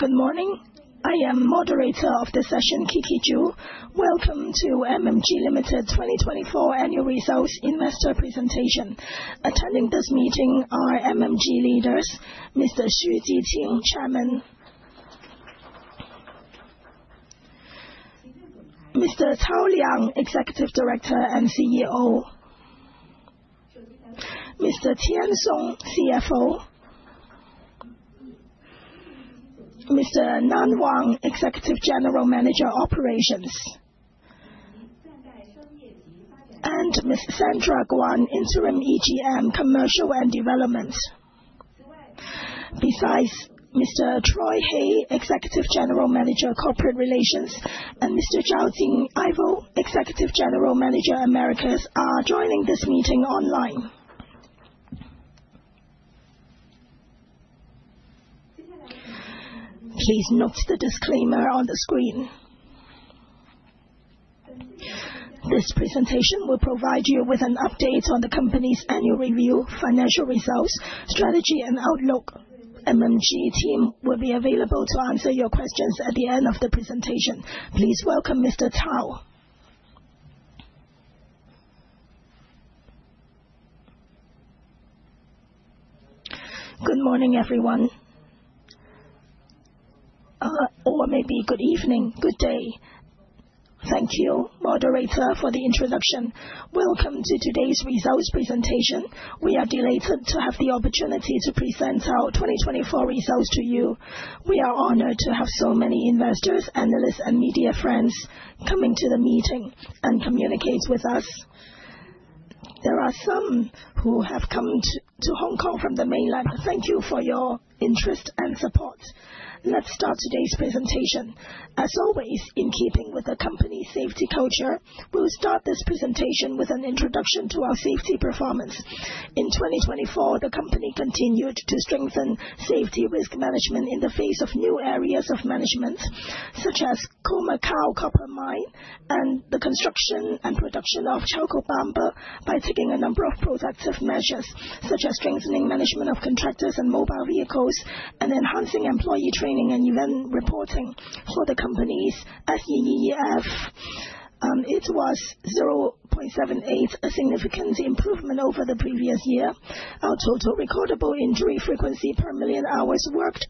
Good morning. I am moderator of the session, Qing Zhu. Welcome to MMG Limited 2024 annual results investor presentation. Attending this meeting are MMG leaders, Mr. Xu Jiqing, Chairman; Mr. Cao Liang, Executive Director and CEO; Mr. Tian Song, CFO; Mr. Nan Wang, Executive General Manager, Operations; and Ms. Sandra Guan, Interim EGM, Commercial and Development. Besides, Mr. Troy Hey, Executive General Manager, Corporate Relations, and Mr. Ivo Zhao, Executive General Manager, Americas, are joining this meeting online. Please note the disclaimer on the screen. This presentation will provide you with an update on the company's annual review, financial results, strategy, and outlook. MMG team will be available to answer your questions at the end of the presentation. Please welcome Mr. Cao. Good morning, everyone. Or maybe good evening, good day. Thank you, moderator, for the introduction. Welcome to today's results presentation. We are delighted to have the opportunity to present our 2024 results to you. We are honored to have so many investors, analysts, and media friends coming to the meeting and communicate with us. There are some who have come to Hong Kong from the mainland. Thank you for your interest and support. Let's start today's presentation. As always, in keeping with the company's safety culture, we'll start this presentation with an introduction to our safety performance. In 2024, the company continued to strengthen safety risk management in the face of new areas of management, such as Khoemacau Copper Mine and the construction and production of Chalcobamba by taking a number of proactive measures, such as strengthening management of contractors and mobile vehicles and enhancing employee training and event reporting for the company's LTIF. It was 0.78, a significant improvement over the previous year. Our total recordable injury frequency per million hours worked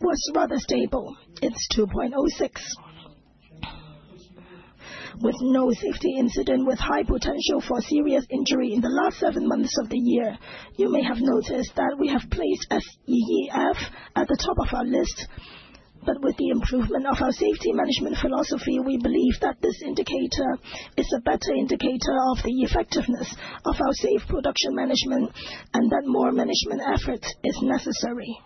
was rather stable. It's 2.06, with no safety incident with high potential for serious injury in the last seven months of the year. You may have noticed that we have placed LTIF at the top of our list, but with the improvement of our safety management philosophy, we believe that this indicator is a better indicator of the effectiveness of our safe production management and that more management efforts are necessary.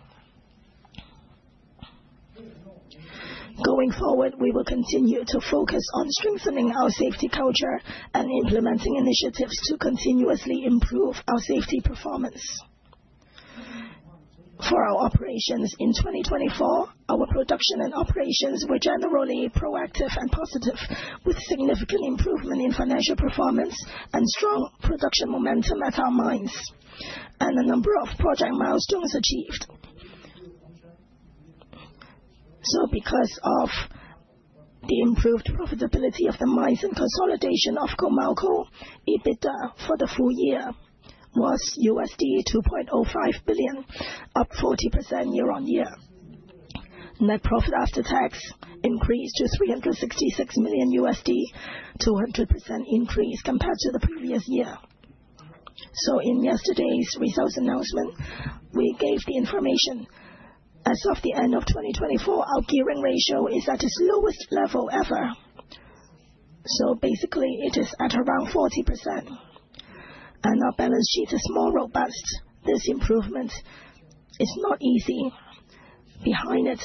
Going forward, we will continue to focus on strengthening our safety culture and implementing initiatives to continuously improve our safety performance. For our operations in 2024, our production and operations were generally proactive and positive, with significant improvement in financial performance and strong production momentum at our mines, and a number of project milestones achieved. Because of the improved profitability of the mines and consolidation of Khoemacau, EBITDA for the full year was $2.05 billion, up 40% year-on-year. Net profit after tax increased to $366 million, 200% increase compared to the previous year. In yesterday's results announcement, we gave the information. As of the end of 2024, our gearing ratio is at its lowest level ever. Basically, it is at around 40%. Our balance sheet is more robust. This improvement is not easy. Behind it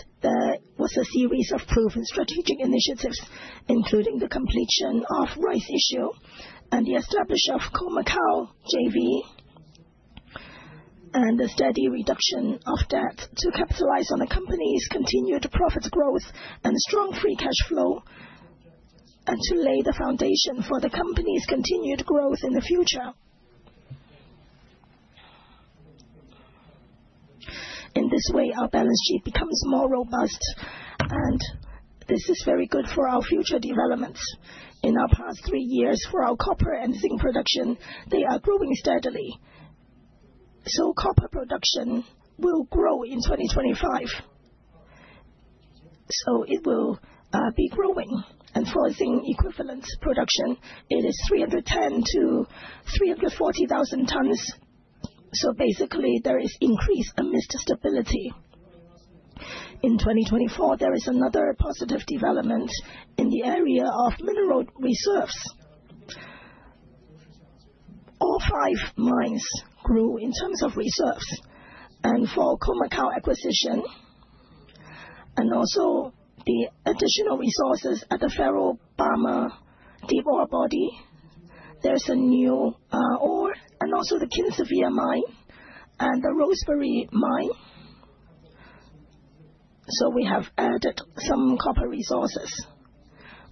was a series of proven strategic initiatives, including the completion of rights issue and the establishment of Khoemacau JV, and the steady reduction of debt to capitalize on the company's continued profit growth and strong free cash flow, and to lay the foundation for the company's continued growth in the future. In this way, our balance sheet becomes more robust, and this is very good for our future developments. In our past three years for our copper and zinc production, they are growing steadily, so copper production will grow in 2025, so it will be growing, and for zinc equivalent production, it is 310-340,000 tons, so basically, there is increase amidst stability. In 2024, there is another positive development in the area of mineral reserves. All five mines grew in terms of reserves, and for Khoemacau acquisition, and also the additional resources at the Ferrobamba deep oxide body, there's a new ore, and also the Kinsevere mine and the Rosebery mine, so we have added some copper resources.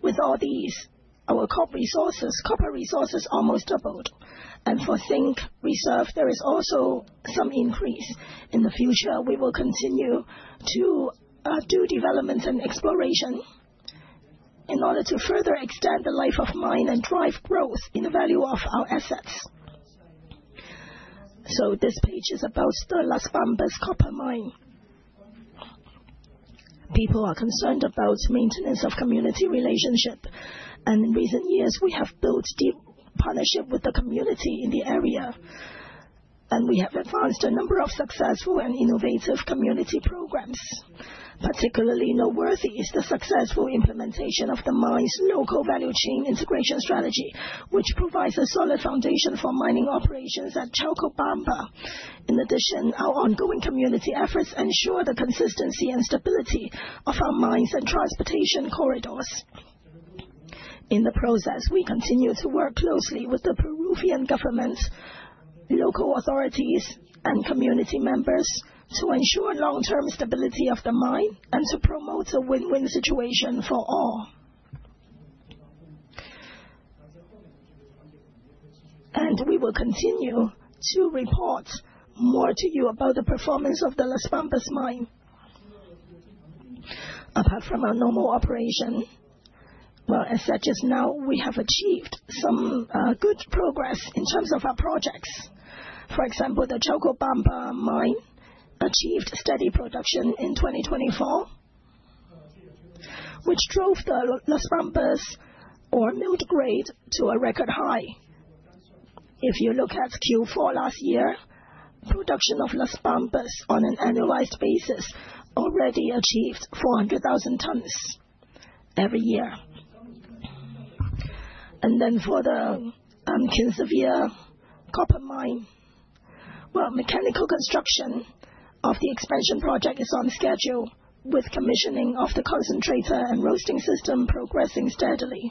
With all these, our copper resources almost doubled, and for zinc reserves, there is also some increase. In the future, we will continue to do developments and exploration in order to further extend the life of mine and drive growth in the value of our assets. So, this page is about the Las Bambas copper mine. People are concerned about maintenance of community relationship. And in recent years, we have built deep partnerships with the community in the area. And we have advanced a number of successful and innovative community programs. Particularly noteworthy is the successful implementation of the mine's local value chain integration strategy, which provides a solid foundation for mining operations at Chalcobamba. In addition, our ongoing community efforts ensure the consistency and stability of our mines and transportation corridors. In the process, we continue to work closely with the Peruvian government, local authorities, and community members to ensure long-term stability of the mine and to promote a win-win situation for all. We will continue to report more to you about the performance of the Las Bambas mine. Apart from our normal operation, well, as of now, we have achieved some good progress in terms of our projects. For example, the Chalcobamba mine achieved steady production in 2024, which drove the Las Bambas overall mill grade to a record high. If you look at Q4 last year, production of Las Bambas on an annualized basis already achieved 400,000 tons every year. For the Kinsevere copper mine, well, mechanical construction of the expansion project is on schedule with commissioning of the concentrator and roasting system progressing steadily.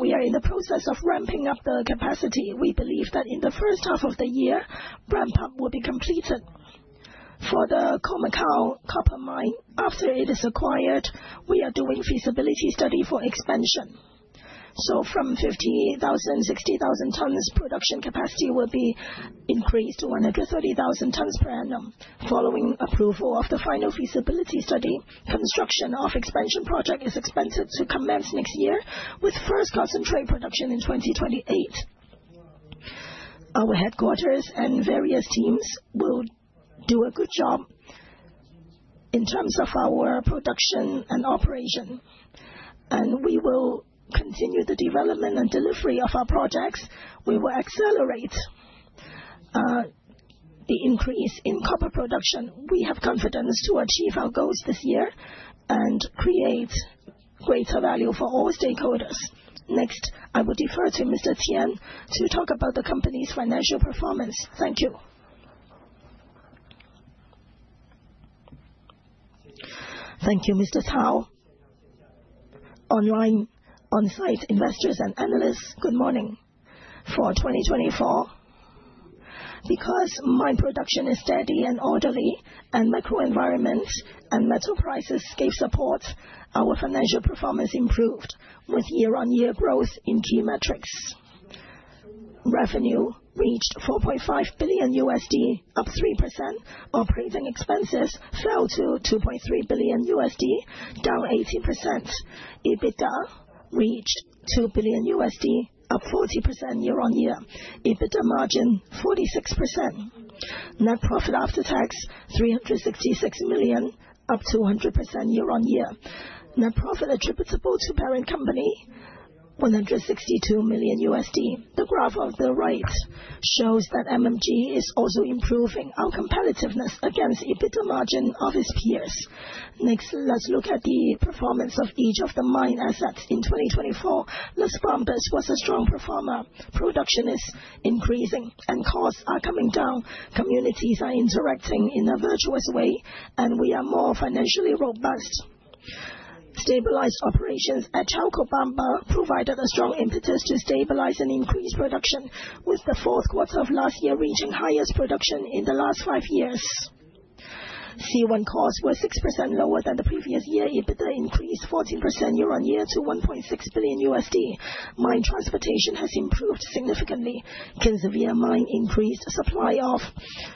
We are in the process of ramping up the capacity. We believe that in the first half of the year, ramp-up will be completed. For the Khoemacau copper mine, after it is acquired, we are doing feasibility study for expansion, so from 58,000-60,000 tons production capacity will be increased to 130,000 tons per annum. Following approval of the final feasibility study, construction of the expansion project is expected to commence next year with first concentrate production in 2028. Our headquarters and various teams will do a good job in terms of our production and operation, and we will continue the development and delivery of our projects. We will accelerate the increase in copper production. We have confidence to achieve our goals this year and create greater value for all stakeholders. Next, I would refer to Mr. Tian to talk about the company's financial performance. Thank you. Thank you, Mr. Cao. Online, on-site investors and analysts, good morning. For 2024, because mine production is steady and orderly, and microenvironments and metal prices gave support, our financial performance improved with year-on-year growth in key metrics. Revenue reached $4.5 billion, up 3%. Operating expenses fell to $2.3 billion, down 18%. EBITDA reached $2 billion, up 40% year-on-year. EBITDA margin 46%. Net profit after tax $366 million, up 200% year-on-year. Net profit attributable to parent company $162 million. The graph on the right shows that MMG is also improving our competitiveness against EBITDA margin of its peers. Next, let's look at the performance of each of the mine assets in 2024. Las Bambas was a strong performer. Production is increasing and costs are coming down. Communities are interacting in a virtuous way, and we are more financially robust. Stabilized operations at Chalcobamba provided a strong impetus to stabilize and increase production, with the fourth quarter of last year reaching highest production in the last five years. C1 costs were 6% lower than the previous year. EBITDA increased 14% year-on-year to $1.6 billion. Mine transportation has improved significantly. Kinsevere mine increased supply of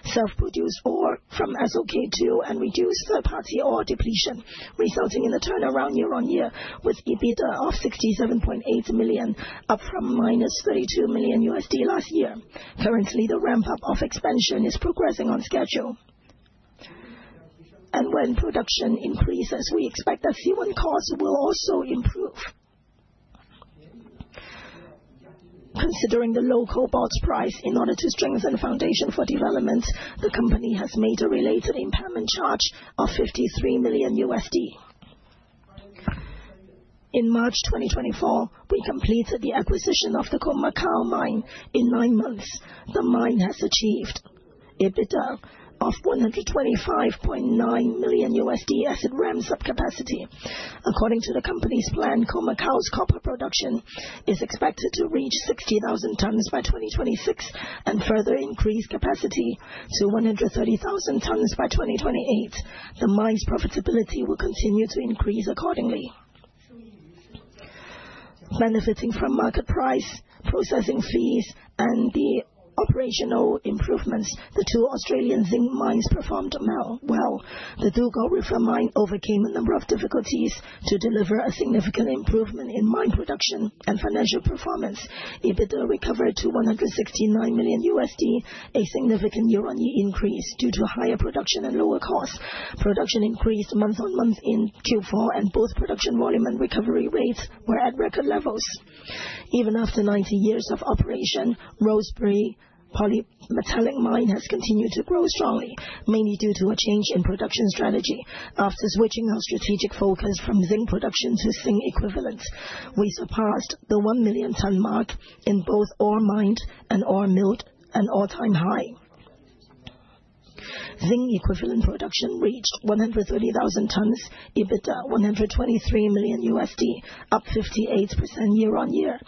self-produced our from Phase II and reduced third-party ore depletion, resulting in a turnaround year-on-year with EBITDA of $67.8 million, up from -$32 million last year. Currently, the ramp-up of expansion is progressing on schedule. When production increases, we expect that C1 costs will also improve. Considering the local bought price in order to strengthen the foundation for development, the company has made a related impairment charge of $53 million. In March 2024, we completed the acquisition of the Khoemacau mine in nine months. The mine has achieved EBITDA of $125.9 million as it ramps up capacity. According to the company's plan, Khoemacau's copper production is expected to reach 60,000 tons by 2026 and further increase capacity to 130,000 tons by 2028. The mine's profitability will continue to increase accordingly. Benefiting from market price, processing fees, and the operational improvements, the two Australian zinc mines performed well. The Dugald River mine overcame a number of difficulties to deliver a significant improvement in mine production and financial performance. EBITDA recovered to $169 million, a significant year-on-year increase due to higher production and lower costs. Production increased month-on-month in Q4, and both production volume and recovery rates were at record levels. Even after 90 years of operation, Rosebery Polymetallic Mine has continued to grow strongly, mainly due to a change in production strategy. After switching our strategic focus from zinc production to zinc equivalent, we surpassed the one million ton mark in both ore mined and ore milled, an all-time high. Zinc equivalent production reached 130,000 tons. EBITDA $123 million, up 58% year-on-year.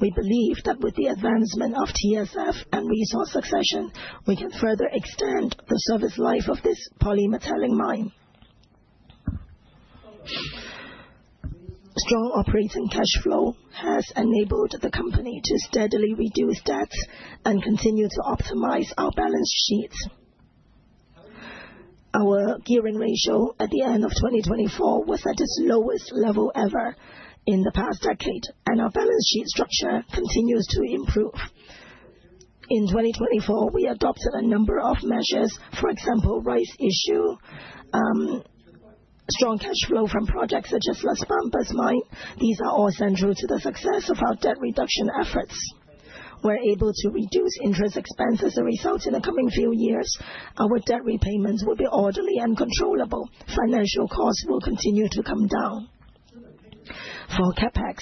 We believe that with the advancement of TSF and resource succession, we can further extend the service life of this polymetallic mine. Strong operating cash flow has enabled the company to steadily reduce debt and continue to optimize our balance sheets. Our gearing ratio at the end of 2024 was at its lowest level ever in the past decade, and our balance sheet structure continues to improve. In 2024, we adopted a number of measures. For example, Rights Issue, strong cash flow from projects such as Las Bambas mine. These are all central to the success of our debt reduction efforts. We're able to reduce interest expenses as a result in the coming few years. Our debt repayments will be orderly and controllable. Financial costs will continue to come down. For CapEx,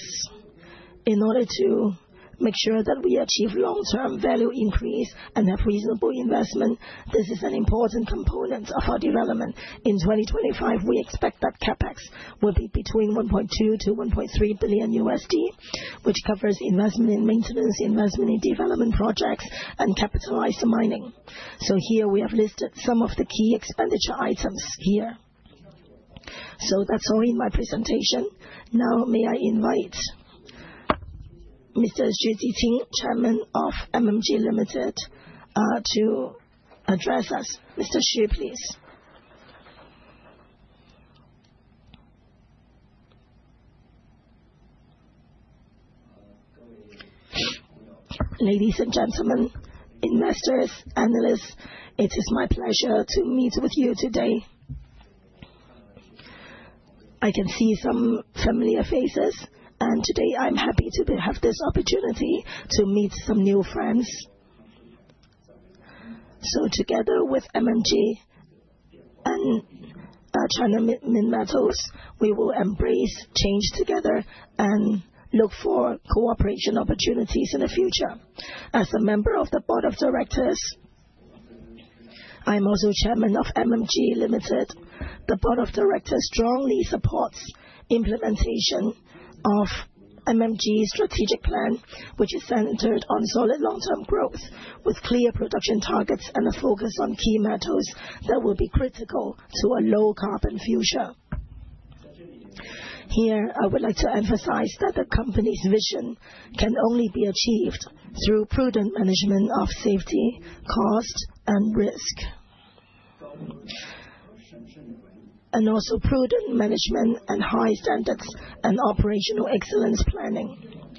in order to make sure that we achieve long-term value increase and have reasonable investment, this is an important component of our development. In 2025, we expect that CapEx will be between $1.2-$1.3 billion, which covers investment in maintenance, investment in development projects, and capitalized mining. So here, we have listed some of the key expenditure items here. So that's all in my presentation. Now, may I invite Mr. Xu Jiqing, Chairman of MMG Limited, to address us? Mr. Xu, please. Ladies and gentlemen, investors, analysts, it is my pleasure to meet with you today. I can see some familiar faces, and today I'm happy to have this opportunity to meet some new friends. So together with MMG and China Minmetals, we will embrace change together and look for cooperation opportunities in the future. As a member of the Board of Directors, I'm also Chairman of MMG Limited. The Board of Directors strongly supports implementation of MMG's strategic plan, which is centered on solid long-term growth with clear production targets and a focus on key metals that will be critical to a low-carbon future. Here, I would like to emphasize that the company's vision can only be achieved through prudent management of safety, cost, and risk, and also prudent management and high standards and operational excellence planning.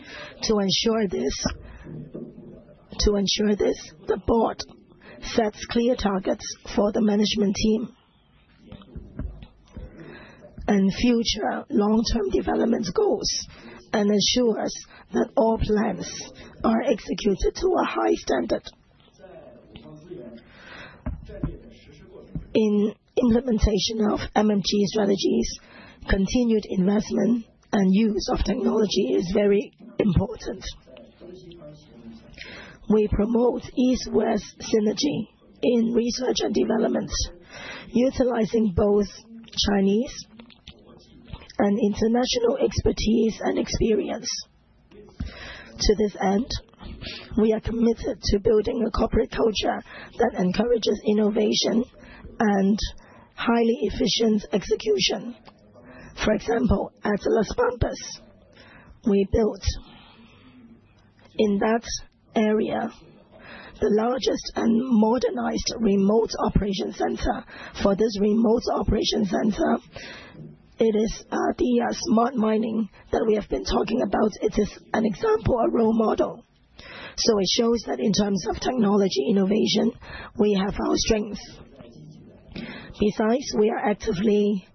To ensure this, the board sets clear targets for the management team and future long-term development goals and ensures that all plans are executed to a high standard. In implementation of MMG strategies, continued investment and use of technology is very important. We promote east-west synergy in research and development, utilizing both Chinese and international expertise and experience. To this end, we are committed to building a corporate culture that encourages innovation and highly efficient execution. For example, at Las Bambas, we built in that area the largest and modernized remote operation center. For this remote operation center, it is the smart mining that we have been talking about. It is an example or role model. So it shows that in terms of technology innovation, we have our strengths. Besides, we are actively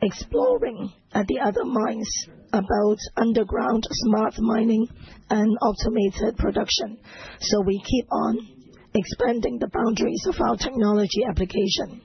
exploring at the other mines about underground smart mining and automated production. So we keep on expanding the boundaries of our technology application.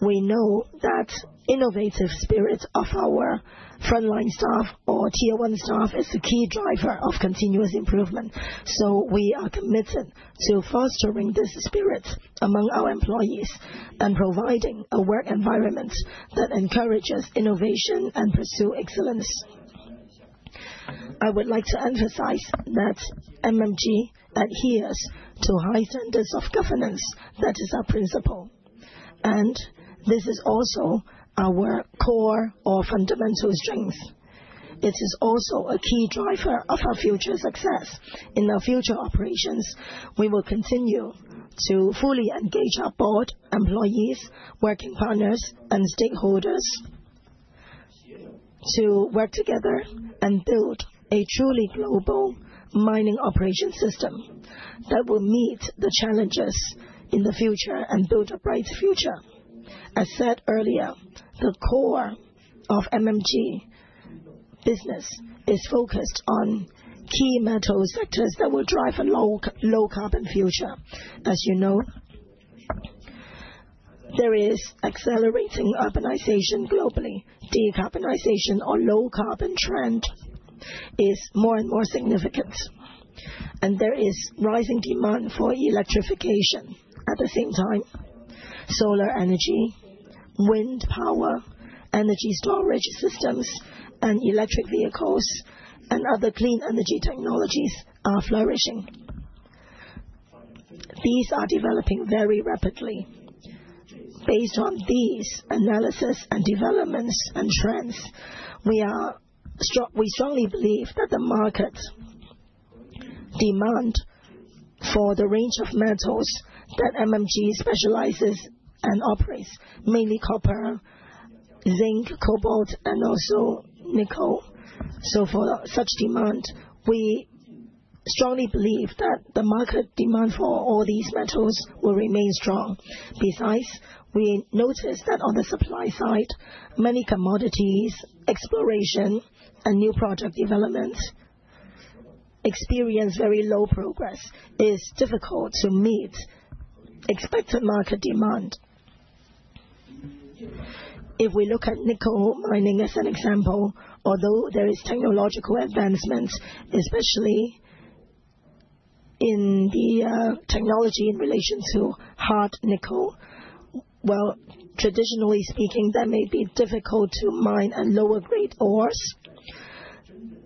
We know that the innovative spirit of our frontline staff or tier-one staff is a key driver of continuous improvement. So we are committed to fostering this spirit among our employees and providing a work environment that encourages innovation and pursues excellence. I would like to emphasize that MMG adheres to high standards of governance. That is our principle, and this is also our core or fundamental strength. It is also a key driver of our future success. In our future operations, we will continue to fully engage our board, employees, working partners, and stakeholders to work together and build a truly global mining operation system that will meet the challenges in the future and build a bright future. As said earlier, the core of MMG business is focused on key metal sectors that will drive a low-carbon future. As you know, there is accelerating urbanization globally. Decarbonization or low-carbon trend is more and more significant, and there is rising demand for electrification. At the same time, solar energy, wind power, energy storage systems, and electric vehicles and other clean energy technologies are flourishing. These are developing very rapidly. Based on these analyses and developments and trends, we strongly believe that the market demand for the range of metals that MMG specializes and operates, mainly copper, zinc, cobalt, and also nickel, so for such demand, we strongly believe that the market demand for all these metals will remain strong. Besides, we noticed that on the supply side, many commodities, exploration, and new project developments experience very low progress. It is difficult to meet expected market demand. If we look at nickel mining as an example, although there are technological advancements, especially in the technology in relation to hard nickel, well, traditionally speaking, that may be difficult to mine at lower-grade ores.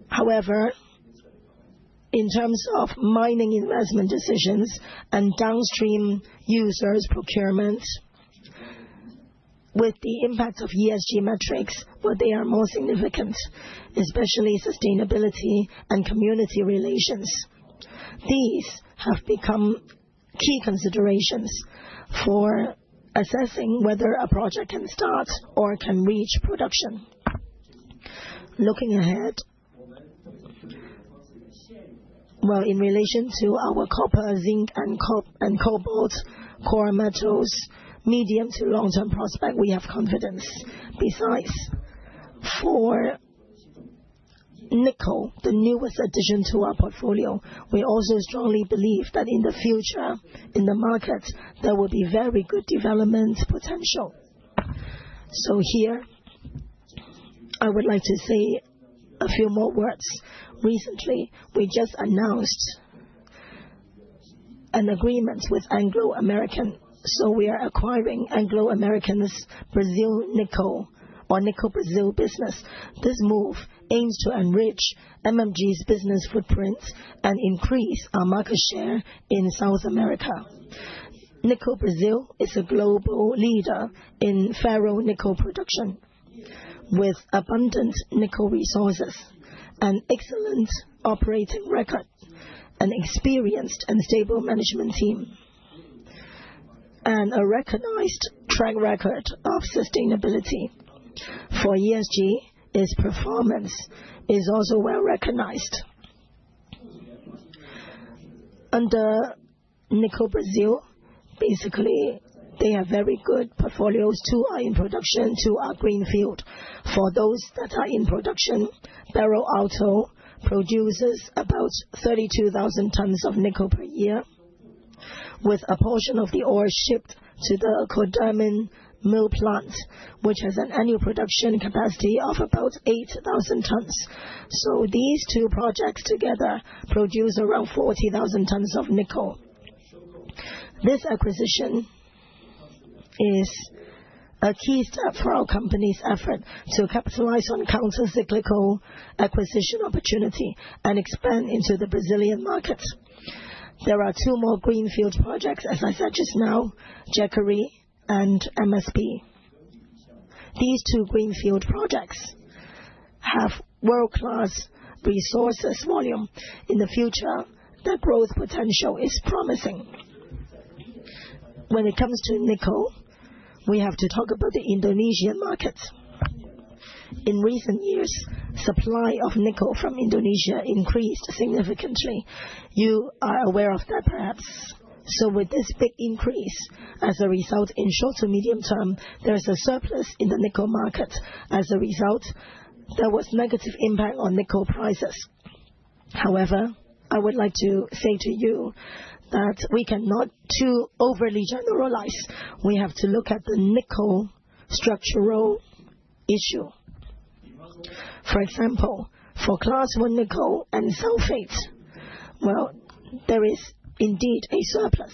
However, in terms of mining investment decisions and downstream users' procurement, with the impact of ESG metrics, they are more significant, especially sustainability and community relations. These have become key considerations for assessing whether a project can start or can reach production. Looking ahead, well, in relation to our copper, zinc, and cobalt core metals, medium to long-term prospect, we have confidence. Besides, for nickel, the newest addition to our portfolio, we also strongly believe that in the future, in the market, there will be very good development potential. So here, I would like to say a few more words. Recently, we just announced an agreement with Anglo American. So we are acquiring Anglo American's Nickel Business business. This move aims to enrich MMG's business footprint and increase our market share in South America. Nickel Business is a global leader in Ferro-nickel production with abundant nickel resources, an excellent operating record, an experienced and stable management team, and a recognized track record of sustainability. For ESG, its performance is also well recognized. Under Nickel Business, basically, they have very good portfolios too in production to our greenfield. For those that are in production, Barro Alto produces about 32,000 tons of nickel per year, with a portion of the ore shipped to the Codemin Mill Plant, which has an annual production capacity of about 8,000 tons. So these two projects together produce around 40,000 tons of nickel. This acquisition is a key step for our company's effort to capitalize on countercyclical acquisition opportunity and expand into the Businessian market. There are two more greenfield projects, as I said just now, Jacaré and MSB. These two greenfield projects have world-class resources volume. In the future, their growth potential is promising. When it comes to nickel, we have to talk about the Indonesian market. In recent years, the supply of nickel from Indonesia increased significantly. You are aware of that, perhaps, so with this big increase, as a result, in short to medium term, there is a surplus in the nickel market. As a result, there was a negative impact on nickel prices. However, I would like to say to you that we cannot too overly generalize. We have to look at the nickel structural issue. For example, for Class I Nickel and Sulfate, well, there is indeed a surplus.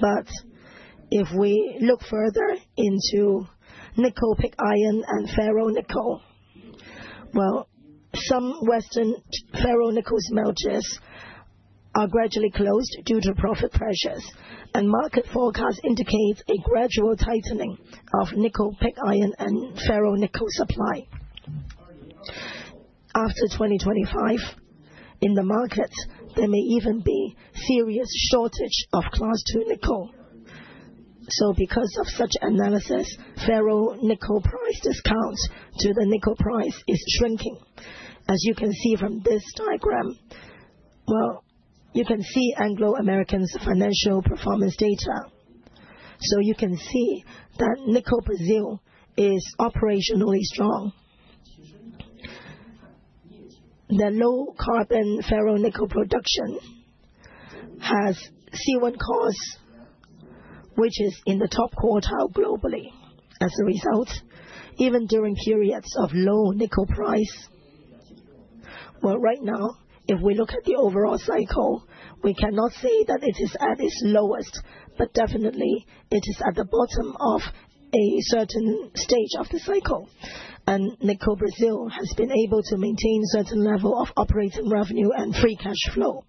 But if we look further into Nickel Pig Iron and Ferro-nickel, well, some Western Ferro-nickel smelters are gradually closed due to profit pressures, and market forecasts indicate a gradual tightening of Nickel Pig Iron and Ferro-nickel supply. After 2025, in the market, there may even be a serious shortage of Class II nickel. So because of such analysis, ferro-nickel price discount to the nickel price is shrinking. As you can see from this diagram, well, you can see Anglo American's financial performance data. So you can see that Nickel Business is operationally strong. The low-carbon ferro-nickel production has C1 costs, which is in the top quartile globally. As a result, even during periods of low nickel price, well, right now, if we look at the overall cycle, we cannot say that it is at its lowest, but definitely, it is at the bottom of a certain stage of the cycle. And Nickel Business has been able to maintain a certain level of operating revenue and free cash flow.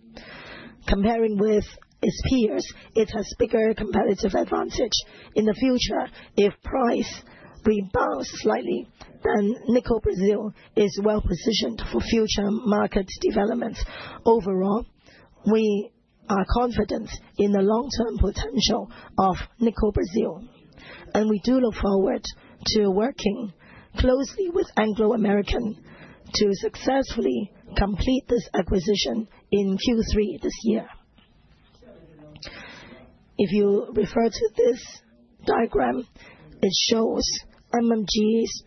Comparing with its peers, it has a bigger competitive advantage. In the future, if price rebounds slightly, then Nickel Business is well positioned for future market developments. Overall, we are confident in the long-term potential of Nickel Business, and we do look forward to working closely with Anglo American to successfully complete this acquisition in Q3 this year. If you refer to this diagram, it shows MMG's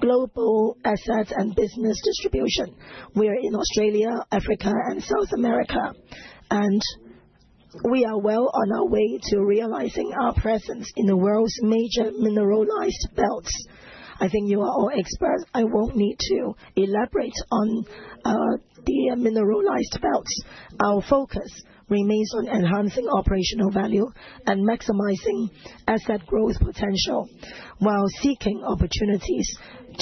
global assets and business distribution. We are in Australia, Africa, and South America, and we are well on our way to realizing our presence in the world's major mineralized belts. I think you are all experts. I won't need to elaborate on the mineralized belts. Our focus remains on enhancing operational value and maximizing asset growth potential while seeking opportunities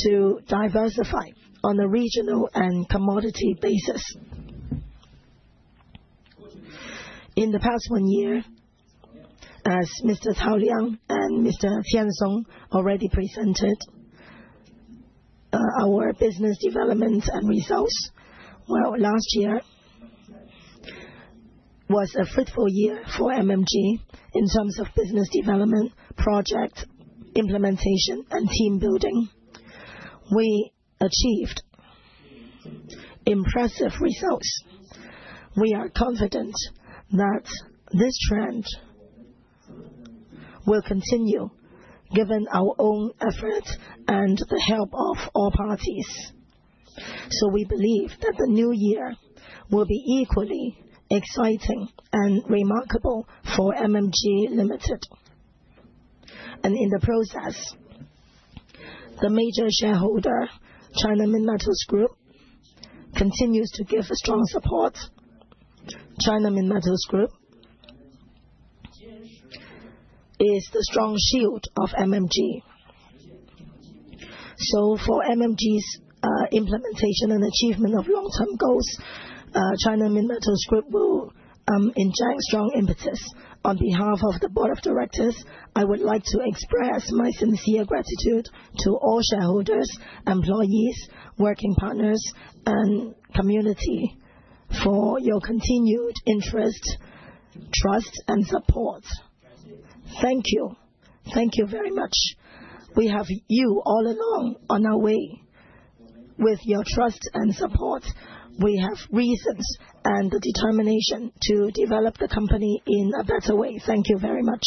to diversify on a regional and commodity basis. In the past one year, as Mr. Cao Liang and Mr. Tian Song already presented our business development and results. Well, last year was a fruitful year for MMG in terms of business development, project implementation, and team building. We achieved impressive results. We are confident that this trend will continue given our own efforts and the help of all parties, so we believe that the new year will be equally exciting and remarkable for MMG Limited. In the process, the major shareholder, China Minmetals Group, continues to give strong support. China Minmetals Group is the strong shield of MMG, so for MMG's implementation and achievement of long-term goals, China Minmetals Group will enjoy strong impetus. On behalf of the Board of Directors, I would like to express my sincere gratitude to all shareholders, employees, working partners, and community for your continued interest, trust, and support. Thank you. Thank you very much. We have you all along on our way. With your trust and support, we have reason and the determination to develop the company in a better way. Thank you very much.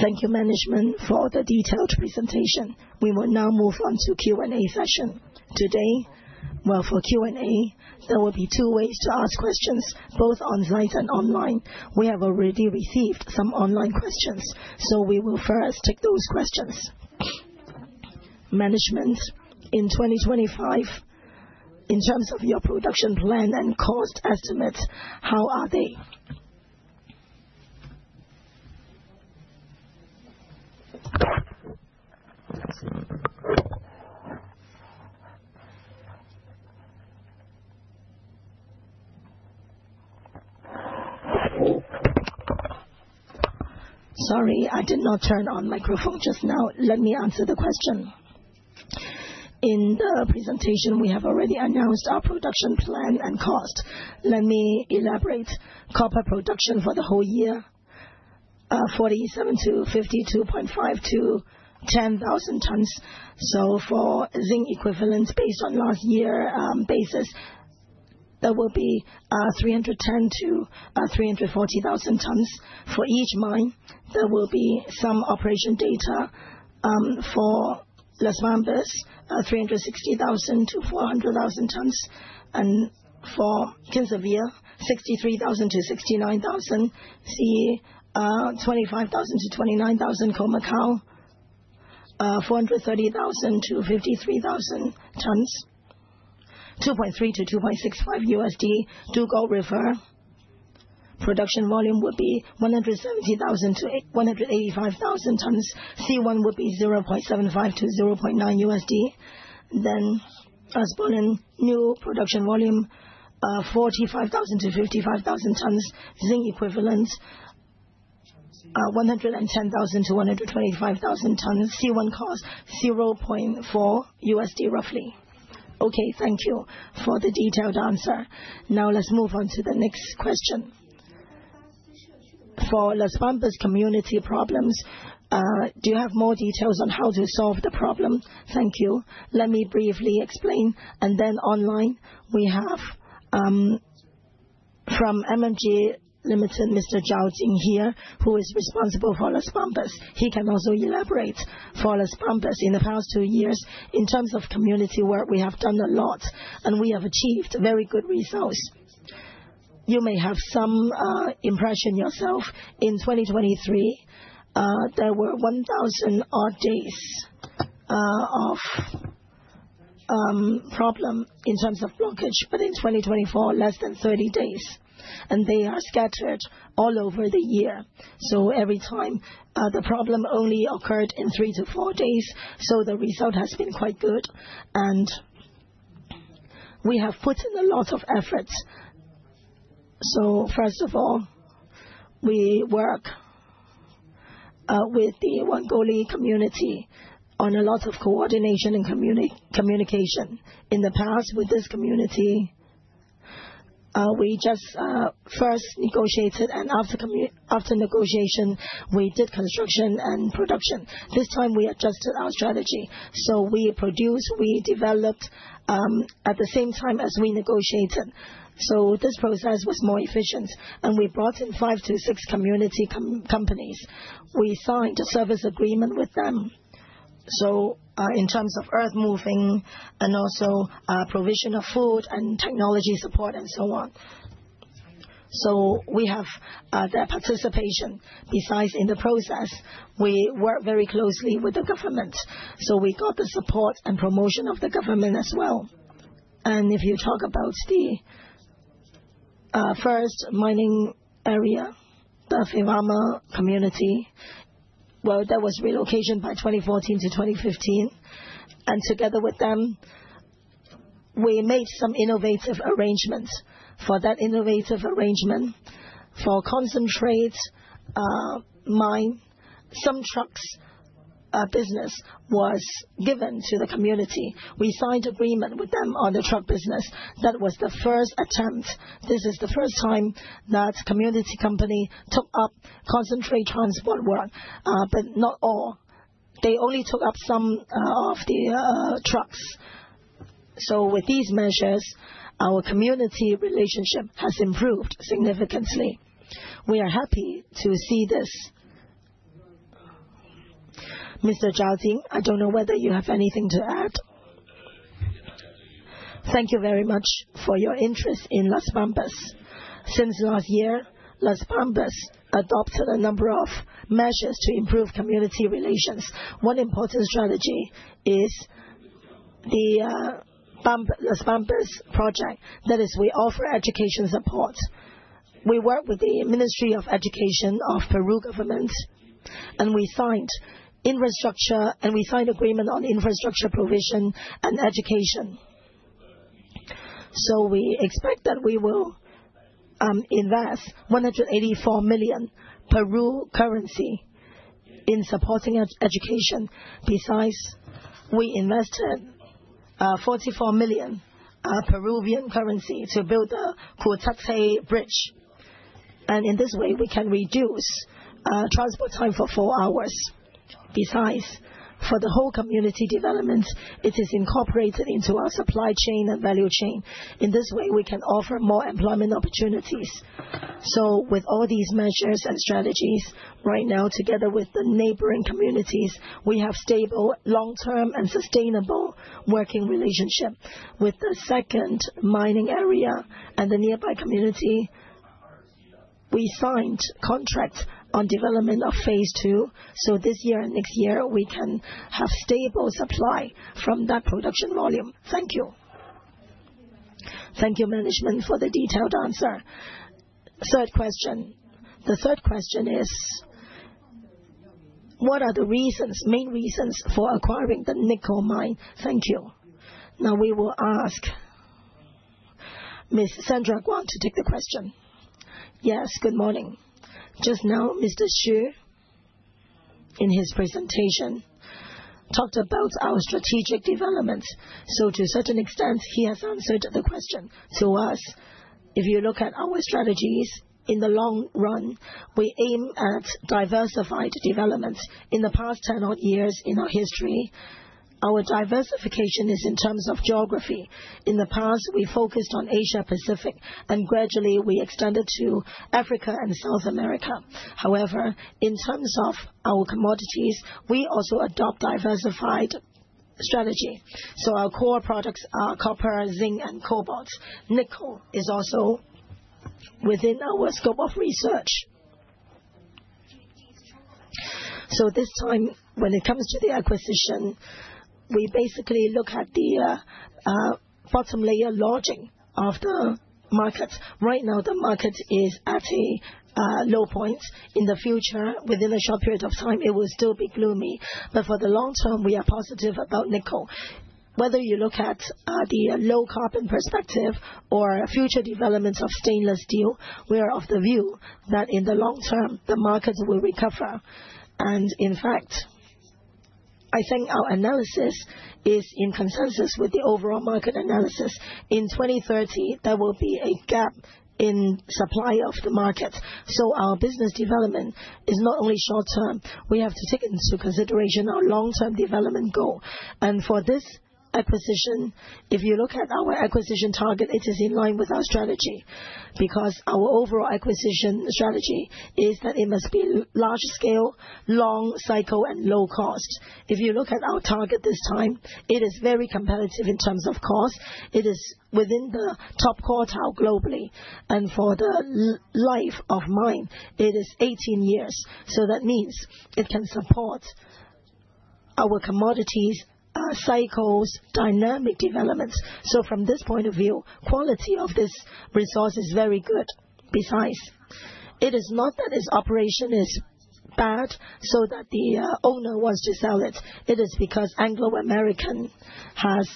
Thank you, management, for the detailed presentation. We will now move on to the Q&A session. Today, well, for Q&A, there will be two ways to ask questions, both on site and online. We have already received some online questions, so we will first take those questions. Management, in 2025, in terms of your production plan and cost estimates, how are they? Sorry, I did not turn on the microphone just now. Let me answer the question. In the presentation, we have already announced our production plan and cost. Let me elaborate. Copper production for the whole year, 47-52.5 thousand tons. So for zinc equivalent, based on last year's basis, there will be 310,000-340,000 tons. For each mine, there will be some operation data for Las Bambas, 360,000-400,000 tons, and for Kinsevere, 63,000-69,000, 25,000-29,000, Khoemacau, 430,000-53,000 tons, $2.3-$2.65. Dugald River production volume would be 170,000-185,000 tons. C1 would be $0.75-$0.9. Then Rosebery, new production volume, 45,000-55,000 tons. Zinc equivalent, 110,000-125,000 tons. C1 cost, $0.4 roughly. Okay, thank you for the detailed answer. Now, let's move on to the next question. For Las Bambas community problems, do you have more details on how to solve the problem? Thank you. Let me briefly explain, and then online, we have from MMG Limited, Mr. Zhao Jing here, who is responsible for Las Bambas. He can also elaborate for Las Bambas. In the past two years, in terms of community work, we have done a lot, and we have achieved very good results. You may have some impression yourself. In 2023, there were 1,000 odd days of problem in terms of blockage, but in 2024, less than 30 days, and they are scattered all over the year, so every time, the problem only occurred in three to four days, so the result has been quite good, and we have put in a lot of effort, so first of all, we work with the Huancuire community on a lot of coordination and communication. In the past, with this community, we just first negotiated, and after negotiation, we did construction and production. This time, we adjusted our strategy. So we produced, we developed at the same time as we negotiated. So this process was more efficient. We brought in five to six community companies. We signed a service agreement with them. So in terms of earth moving and also provision of food and technology support and so on. So we have their participation. Besides, in the process, we work very closely with the government. So we got the support and promotion of the government as well. And if you talk about the first mining area, the Fuerabamba community, well, there was relocation by 2014 to 2015. And together with them, we made some innovative arrangements. For that innovative arrangement, for concentrate mine, some trucks business was given to the community. We signed agreement with them on the truck business. That was the first attempt. This is the first time that community company took up concentrate transport work, but not all. They only took up some of the trucks. So with these measures, our community relationship has improved significantly. We are happy to see this. Mr. Zhao Jing, I don't know whether you have anything to add. Thank you very much for your interest in Las Bambas. Since last year, Las Bambas adopted a number of measures to improve community relations. One important strategy is the Las Bambas project. That is, we offer education support. We work with the Ministry of Education of Peru government, and we signed infrastructure, and we signed agreement on infrastructure provision and education. So we expect that we will invest 184 million in supporting education. Besides, we invested 44 million PEN to build the Kutuctay Bridge. And in this way, we can reduce transport time for four hours. Besides, for the whole community development, it is incorporated into our supply chain and value chain. In this way, we can offer more employment opportunities, so with all these measures and strategies, right now, together with the neighboring communities, we have stable, long-term, and sustainable working relationship. With the second mining area and the nearby community, we signed contracts on development of phase two, so this year and next year, we can have stable supply from that production volume. Thank you. Thank you, management, for the detailed answer. Third question. The third question is, what are the main reasons for acquiring the nickel mine? Thank you. Now, we will ask Ms. Sandra Guan to take the question. Yes, good morning. Just now, Mr. Xu, in his presentation, talked about our strategic developments, so to a certain extent, he has answered the question to us. If you look at our strategies in the long run, we aim at diversified developments. In the past 10 odd years in our history, our diversification is in terms of geography. In the past, we focused on Asia-Pacific, and gradually, we extended to Africa and South America. However, in terms of our commodities, we also adopt a diversified strategy. So our core products are copper, zinc, and cobalt. Nickel is also within our scope of research. So this time, when it comes to the acquisition, we basically look at the bottom layer of the market. Right now, the market is at a low point. In the future, within a short period of time, it will still be gloomy. But for the long term, we are positive about nickel. Whether you look at the low carbon perspective or future developments of stainless steel, we are of the view that in the long term, the market will recover. In fact, I think our analysis is in consensus with the overall market analysis. In 2030, there will be a gap in supply of the market. Our business development is not only short term. We have to take into consideration our long-term development goal. For this acquisition, if you look at our acquisition target, it is in line with our strategy because our overall acquisition strategy is that it must be large scale, long cycle, and low cost. If you look at our target this time, it is very competitive in terms of cost. It is within the top quartile globally. For the life of mine, it is 18 years. That means it can support our commodities, cycles, dynamic developments. From this point of view, quality of this resource is very good. Besides, it is not that its operation is bad so that the owner wants to sell it. It is because Anglo American has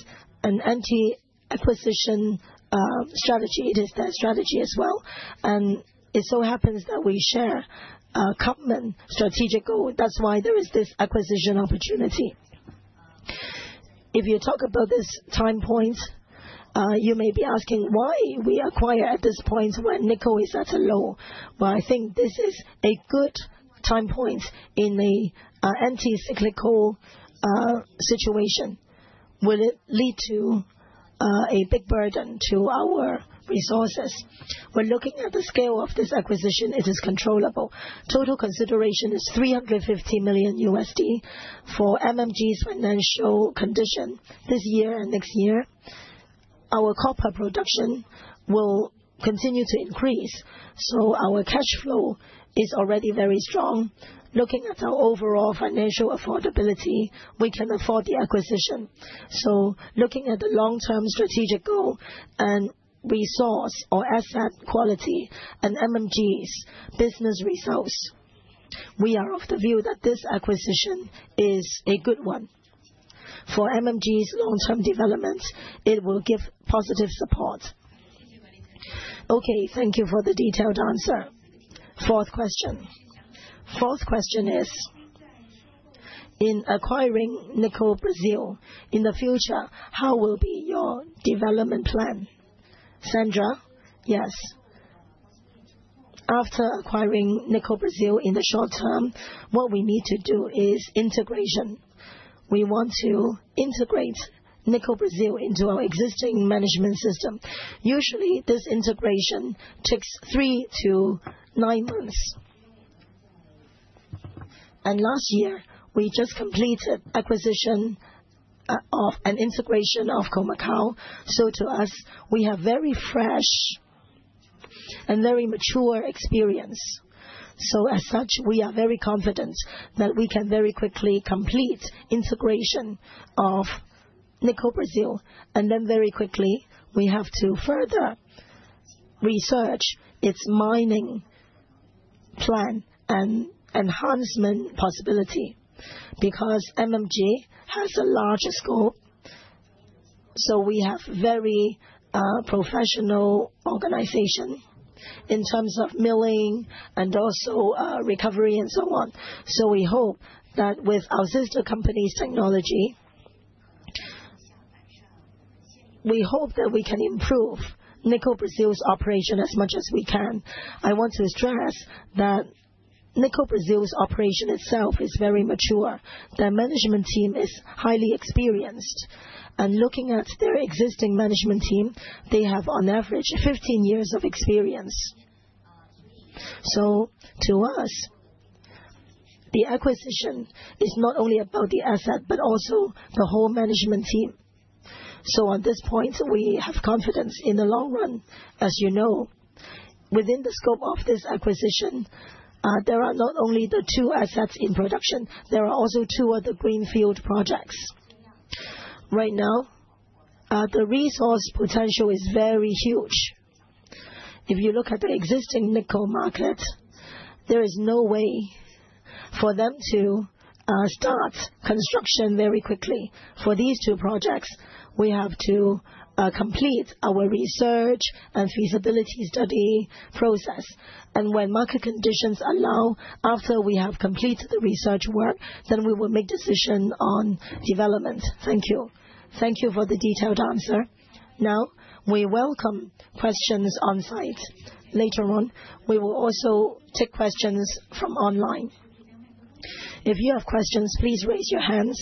an anti-acquisition strategy. It is their strategy as well. And it so happens that we share a common strategic goal. That's why there is this acquisition opportunity. If you talk about this time point, you may be asking why we acquire at this point when nickel is at a low. Well, I think this is a good time point in the counter-cyclical situation. Will it lead to a big burden to our resources? When looking at the scale of this acquisition, it is controllable. Total consideration is $350 million for MMG's financial condition this year and next year. Our copper production will continue to increase. So our cash flow is already very strong. Looking at our overall financial affordability, we can afford the acquisition. So looking at the long-term strategic goal and resource or asset quality and MMG's business results, we are of the view that this acquisition is a good one. For MMG's long-term development, it will give positive support. Okay, thank you for the detailed answer. Fourth question. Fourth question is, in acquiring Nickel Business, in the future, how will be your development plan? Sandra, yes. After acquiring Nickel Business in the short term, what we need to do is integration. We want to integrate Nickel Business into our existing management system. Usually, this integration takes three to nine months. And last year, we just completed acquisition and integration of Khoemacau. So to us, we have very fresh and very mature experience. So as such, we are very confident that we can very quickly complete integration of Nickel Business. And then very quickly, we have to further research its mining plan and enhancement possibility because MMG has a larger scope. So we have a very professional organization in terms of milling and also recovery and so on. So we hope that with our sister company's technology, we hope that we can improve Nickel Business's operation as much as we can. I want to stress that Nickel Business's operation itself is very mature. Their management team is highly experienced. And looking at their existing management team, they have on average 15 years of experience. So to us, the acquisition is not only about the asset but also the whole management team. So at this point, we have confidence in the long run. As you know, within the scope of this acquisition, there are not only the two assets in production. There are also two other greenfield projects. Right now, the resource potential is very huge. If you look at the existing nickel market, there is no way for them to start construction very quickly. For these two projects, we have to complete our research and feasibility study process. And when market conditions allow, after we have completed the resear ch work, then we will make decision on development. Thank you. Thank you for the detailed answer. Now, we welcome questions on site. Later on, we will also take questions from online. If you have questions, please raise your hands.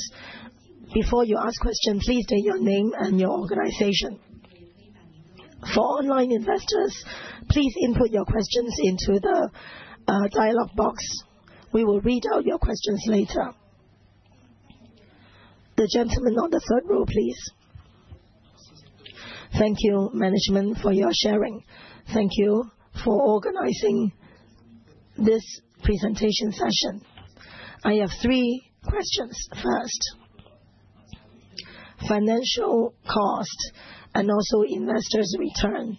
Before you ask questions, please state your name and your organization. For online investors, please input your questions into the dialogue box. We will read out your questions later. The gentleman on the third row, please. Thank you, management, for your sharing. Thank you for organizing this presentation session. I have three questions. First, financial cost and also investors' return.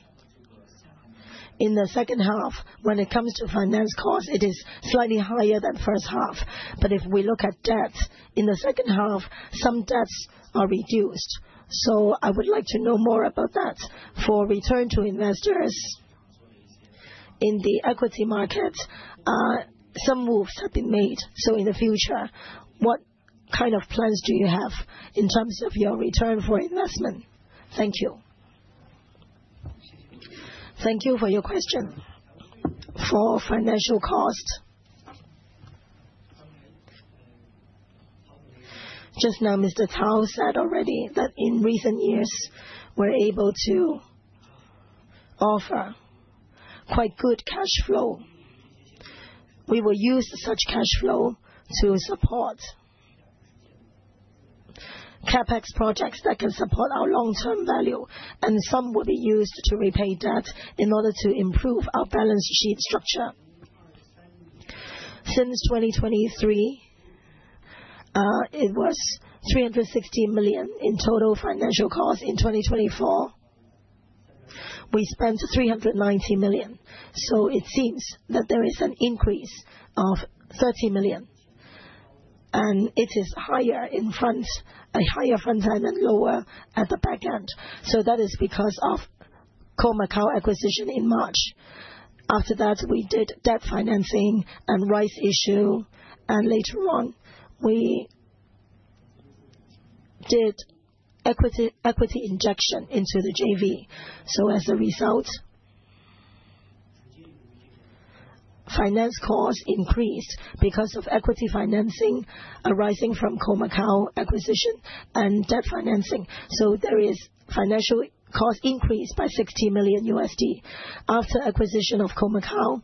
In the second half, when it comes to finance cost, it is slightly higher than first half. But if we look at debts, in the second half, some debts are reduced. So I would like to know more about that. For return to investors, in the equity market, some moves have been made. So in the future, what kind of plans do you have in terms of your return for investment? Thank you. Thank you for your question. For financial cost, just now, Mr. Tao said already that in recent years, we're able to offer quite good cash flow. We will use such cash flow to support CapEx projects that can support our long-term value. And some will be used to repay debt in order to improve our balance sheet structure. Since 2023, it was $360 million in total financial cost. In 2024, we spent $390 million. So it seems that there is an increase of $30 million. And it is higher in front, a higher front end and lower at the back end. So that is because of Khoemacau acquisition in March. After that, we did debt financing and rights issue. And later on, we did equity injection into the JV. So as a result, finance cost increased because of equity financing arising from Khoemacau acquisition and debt financing. So there is financial cost increased by $60 million. After acquisition of Khoemacau,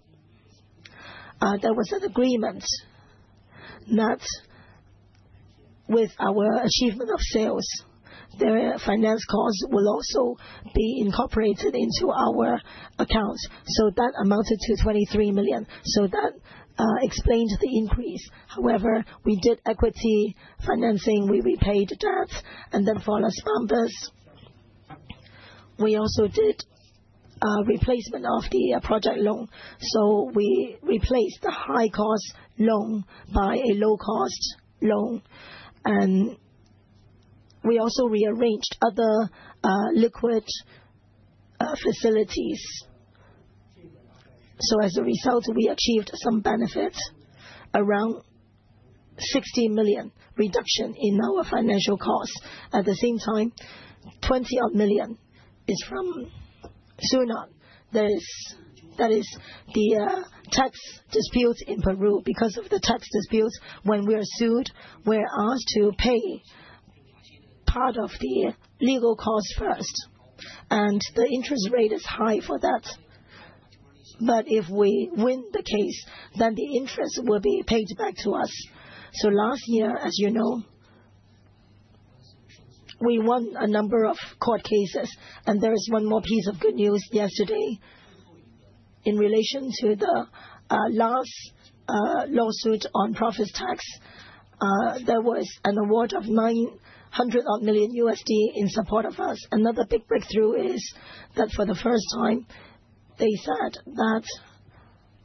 there was an agreement that with our achievement of sales, their finance costs will also be incorporated into our accounts. So that amounted to $23 million. So that explains the increase. However, we did equity financing. We repaid debt. And then for Las Bambas, we also did replacement of the project loan. So we replaced the high-cost loan by a low-cost loan. And we also rearranged other liquid facilities. So as a result, we achieved some benefits, around $60 million reduction in our financial costs. At the same time, $20 million is from SUNAT. That is the tax dispute in Peru. Because of the tax dispute, when we are sued, we're asked to pay part of the legal cost first. And the interest rate is high for that. But if we win the case, then the interest will be paid back to us. So last year, as you know, we won a number of court cases. And there is one more piece of good news yesterday. In relation to the last lawsuit on profit tax, there was an award of $900 million in support of us. Another big breakthrough is that for the first time, they said that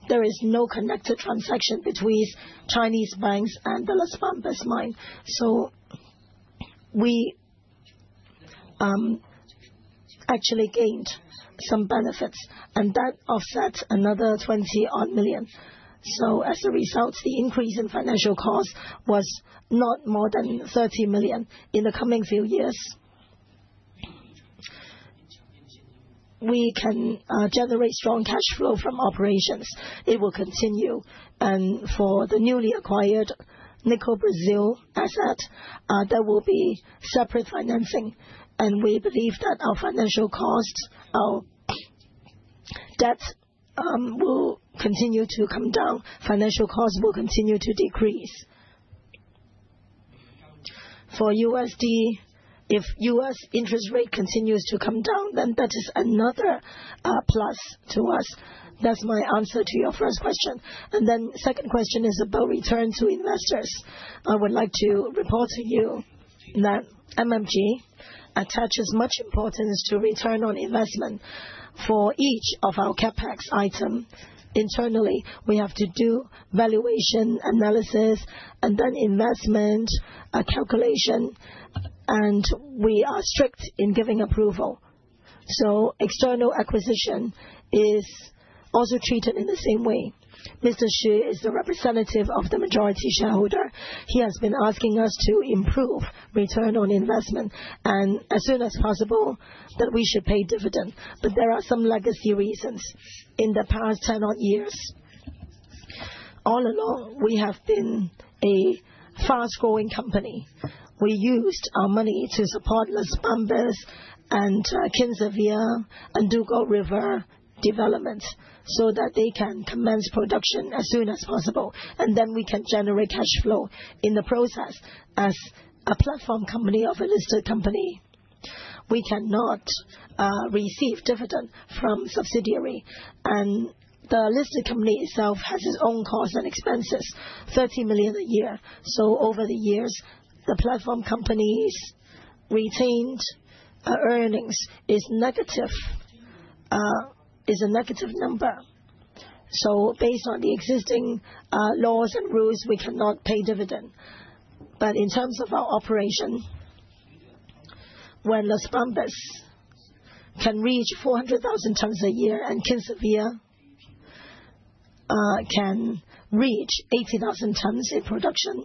there is no connected transaction between Chinese banks and the Las Bambas mine. So we actually gained some benefits. And that offset another $20 million. So as a result, the increase in financial cost was not more than $30 million in the coming few years. We can generate strong cash flow from operations. It will continue. And for the newly acquired Nickel Business asset, there will be separate financing. And we believe that our financial costs, our debts will continue to come down. Financial costs will continue to decrease. For USD, if U.S. interest rate continues to come down, then that is another plus to us. That's my answer to your first question. And then second question is about return to investors. I would like to report to you that MMG attaches much importance to return on investment for each of our CapEx items. Internally, we have to do valuation analysis and then investment calculation. And we are strict in giving approval. So external acquisition is also treated in the same way. Mr. Xu is the representative of the majority shareholder. He has been asking us to improve return on investment and as soon as possible that we should pay dividend. But there are some legacy reasons. In the past 10 odd years, all along, we have been a fast-growing company. We used our money to support Las Bambas and Kinsevere and Dugald River development so that they can commence production as soon as possible. And then we can generate cash flow in the process as a platform company of a listed company. We cannot receive dividend from subsidiary. The listed company itself has its own costs and expenses, $30 million a year. Over the years, the platform company's retained earnings is a negative number. Based on the existing laws and rules, we cannot pay dividend. In terms of our operation, when Las Bambas can reach 400,000 tons a year and Kinsevere can reach 80,000 tons in production.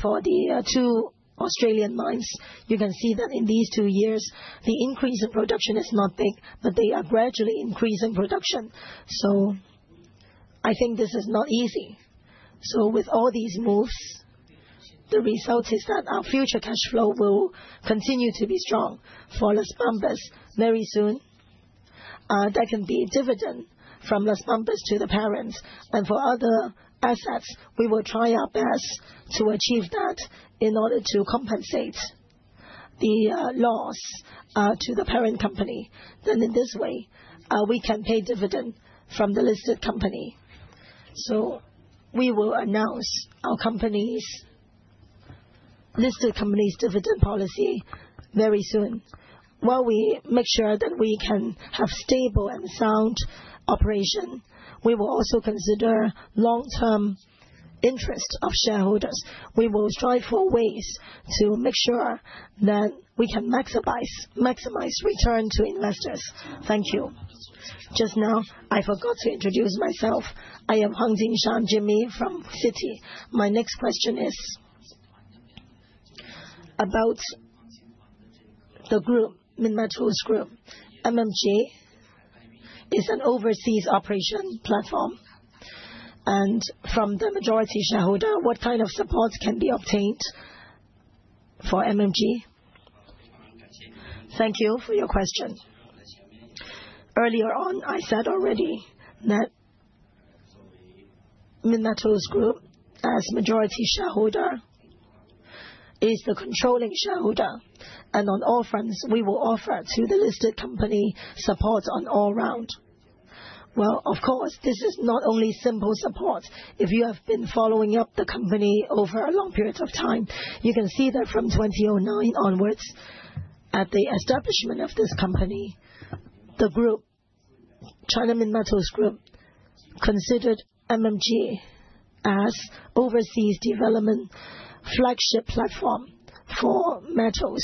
For the two Australian mines, you can see that in these two years, the increase in production is not big, but they are gradually increasing production. I think this is not easy. With all these moves, the result is that our future cash flow will continue to be strong for Las Bambas very soon. There can be dividend from Las Bambas to the parents. For other assets, we will try our best to achieve that in order to compensate the loss to the parent company. In this way, we can pay dividend from the listed company. We will announce our listed company's dividend policy very soon. While we make sure that we can have stable and sound operation, we will also consider long-term interest of shareholders. We will strive for ways to make sure that we can maximize return to investors. Thank you. Just now, I forgot to introduce myself. I am Hong Jing Shan Jimmy from Citi. My next question is about the Minmetals Group. MMG is an overseas operation platform. From the majority shareholder, what kind of support can be obta ined for MMG? Thank you for your question. Earlier on, I said already that Minmetals Group, as majority shareholder, is the controlling shareholder. And on all fronts, we will offer to the listed company support on all round. Well, of course, this is not only simple support. If you have been following up the company over a long period of time, you can see that from 2009 onwards, at the establishment of this company, the group, China Minmetals Group, considered MMG as overseas development flagship platform for matters.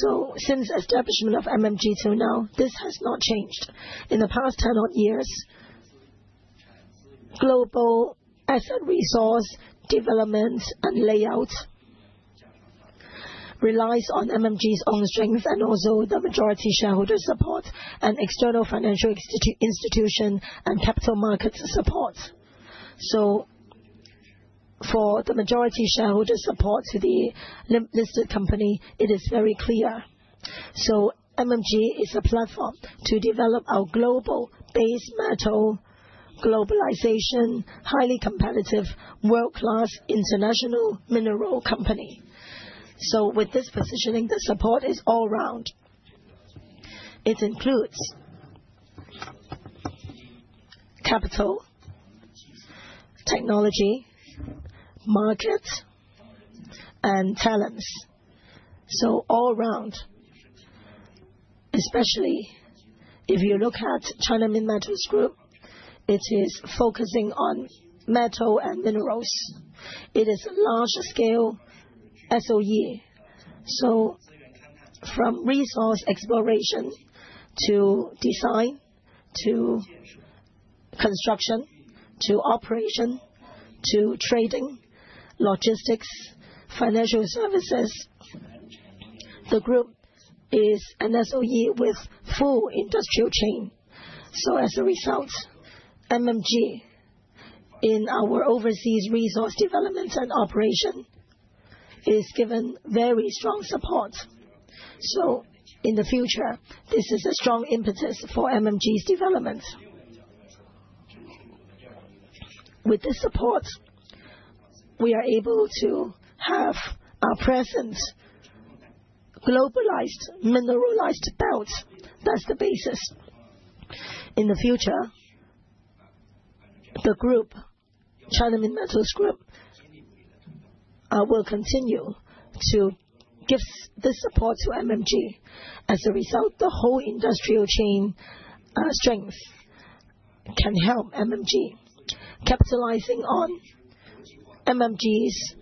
So since establishment of MMG till now, this has not changed. In the past 10 odd years, global asset resource development and layout relies on MMG's own strengths and also the majority shareholder support and external financial institution and capital market support. So for the majority shareholder support to the listed company, it is very clear. So MMG is a platform to develop our global base metal globalization, highly competitive, world-class international mineral company. So with this positioning, the support is all round. It includes capital, technology, markets, and talents. So all round, especially if you look at China Minmetals Group, it is focusing on metal and minerals. It is a large-scale SOE. So from resource exploration to design to construction to operation to trading, logistics, financial services, the group is an SOE with full industrial chain. So as a result, MMG in our overseas resource development and operation is given very strong support. So in the future, this is a strong impetus for MMG's development. With this support, we are able to have our present globalized mineralized belt. That's the basis. In the future, the group, China Minmetals Group, will continue to give this support to MMG. As a result, the whole industrial chain strength can help MMG. Capitalizing on MMG's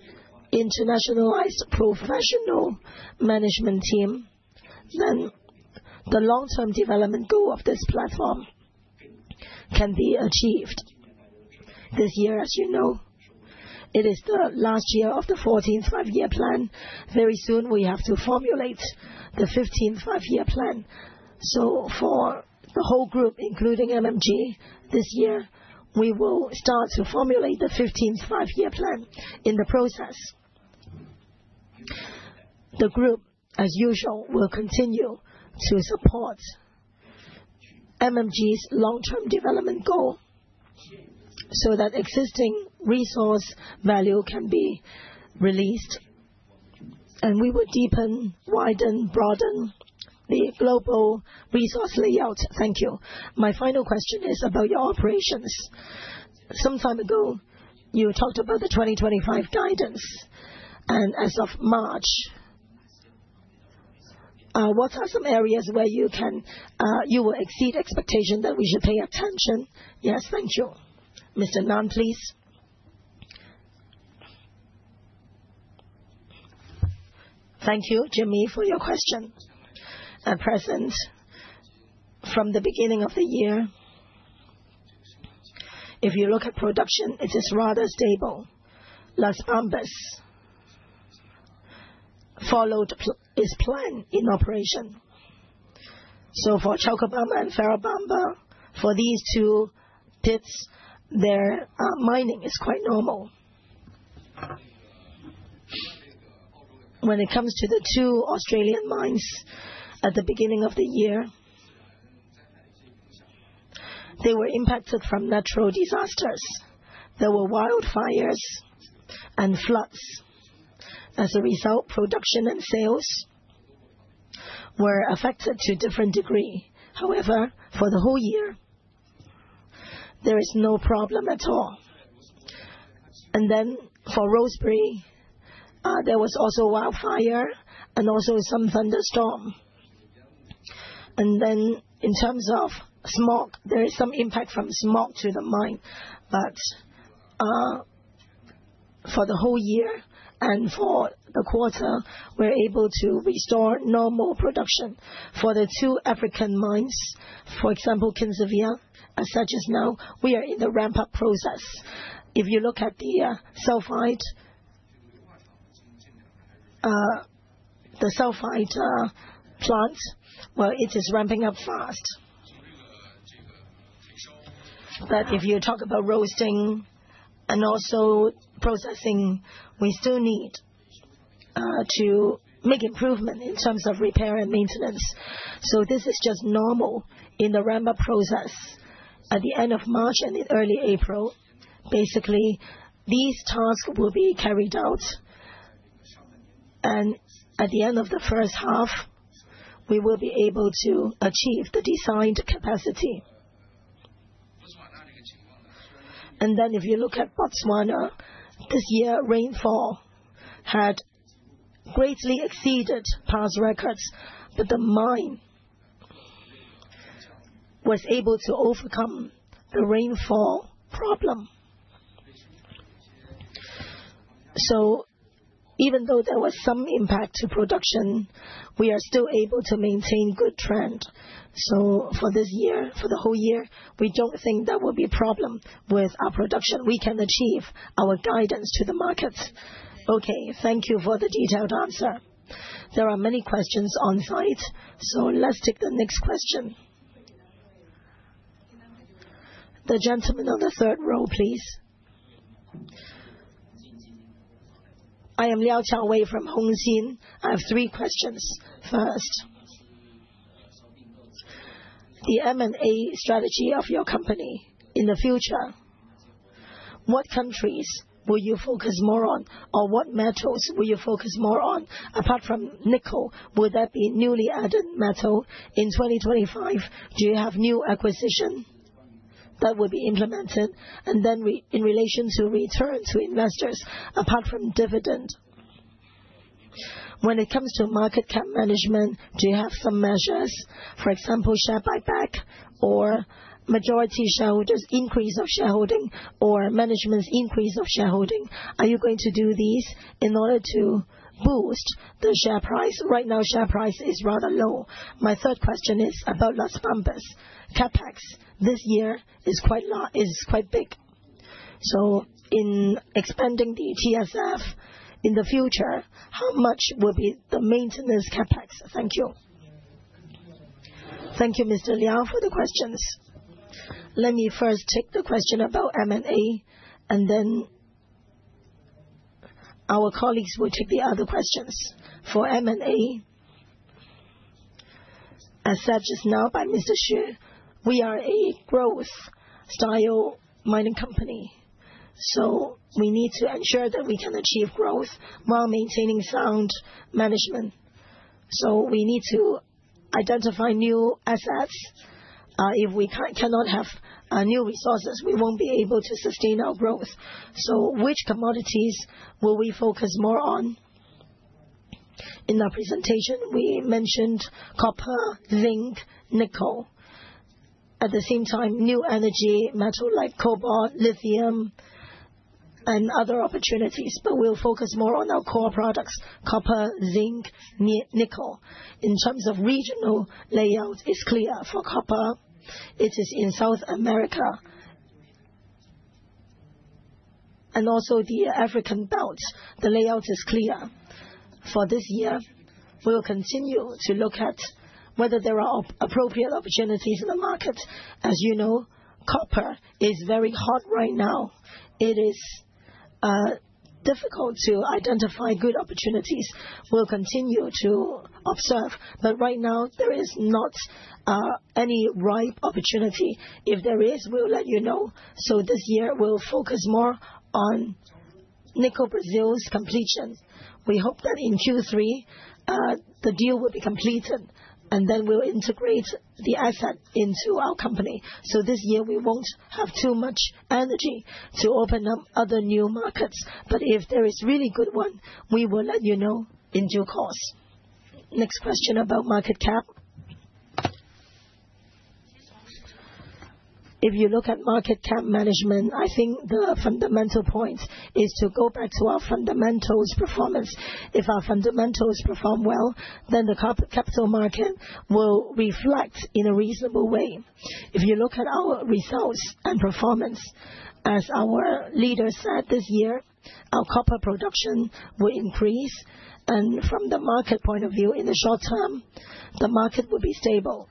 internationalized professional management team, then the long-term development goal of this platform can be achieved. This year, as you know, it is the last year of the 14th five-year plan. Very soon, we have to formulate the 15th Five-Year Plan. So for the whole group, including MMG, this year, we will start to formulate the 15th Five-Year Plan in the process. The group, as usual, will continue to support MMG's long-term development goal so that existing resource value can be released, and we will deepen, widen, broaden the global resource layout. Thank you. My final question is about your operations. Some time ago, you talked about the 2025 guidance, and as of March, what are some areas where you will exceed expectation that we should pay attention? Yes, thank you. Mr. Nan, please. Thank you, Jimmy, for your question. At present, from the beginning of the year, if you look at production, it is rather stable. Las Bambas followed its plan in operation. So for Chalcobamba and Ferrobamba, for these two pits, their mining is quite normal. When it comes to the two Australian mines, at the beginning of the year, they were impacted from natural disasters. There were wildfires and floods. As a result, production and sales were affected to a different degree. However, for the whole year, there is no problem at all. And then for Rosebery, there was also wildfire and also some thunderstorm. And then in terms of smoke, there is some impact from smoke to the mine. But for the whole year and for the quarter, we're able to restore normal production. For the two African mines, for example, Kinsevere, as of now, we are in the ramp-up process. If you look at the sulfide plant, well, it is ramping up fast. But if you talk about roasting and also processing, we still need to make improvement in terms of repair and maintenance. So this is just normal in the ramp-up process. At the end of March and in early April, basically, these tasks will be carried out. And at the end of the first half, we will be able to achieve the designed capacity. And then if you look at Botswana, this year, rainfall had greatly exceeded past records, but the mine was able to overcome the rainfall problem. So even though there was some impact to production, we are still able to maintain good trend. So for this year, for the whole year, we don't think there will be a problem with our production. We can achieve our guidance to the markets. Okay. Thank you for the detailed answer. There are many questions on site. So let's take the next question. The gentleman on the third row, please. I am Liao Chaowei from Zhongjin. I have three questions. First, the M&A strategy of your company in the future, what countries will you focus more on, or what metals will you focus more on? Apart from nickel, will that be newly added metal? In 2025, do you have new acquisition that will be implemented? And then in relation to return to investors, apart from dividend, when it comes to market cap management, do you have some measures, for example, share buyback or majority shareholders' increase of shareholding or management's increase of shareholding? Are you going to do these in order to boost the share price? Right now, share price is rather low. My third question is about Las Bambas. CapEx this year is quite big. So in expanding the TSF in the future, how much will be the maintenance CapEx? Thank you. Thank you, Mr. Liao, for the questions. Let me first take the question about M&A, and then our colleagues will take the other questions. For M&A, as said just now by Mr. Xu, we are a growth-style mining company. So we need to ensure that we can achieve growth while maintaining sound management. So we need to identify new assets. If we cannot have new resources, we won't be able to sustain our growth. So which commodities will we focus more on? In our presentation, we mentioned copper, zinc, nickel. At the same time, new energy metals like cobalt, lithium, and other opportunities. But we'll focus more on our core products: copper, zinc, nickel. In terms of regional layout, it's clear for copper. It is in South America. And also the African belt, the layout is clear. For this year, we'll continue to look at whether there are appropriate opportunities in the market. As you know, copper is very hot right now. It is difficult to identify good opportunities. We'll continue to observe. But right now, there is not any ripe opportunity. If there is, we'll let you know. So this year, we'll focus more on Nickel Business's completion. We hope that in Q3, the deal will be completed, and then we'll integrate the asset into our company. So this year, we won't have too much energy to open up other new markets. But if there is really good one, we will let you know in due course. Next question about market cap. If you look at market cap management, I think the fundamental point is to go back to our fundamentals performance. If our fundamentals perform well, then the capital market will reflect in a reasonable way. If you look at our results and performance, as our leader said this year, our copper production will increase, and from the market point of view, in the short term, the market will be stable.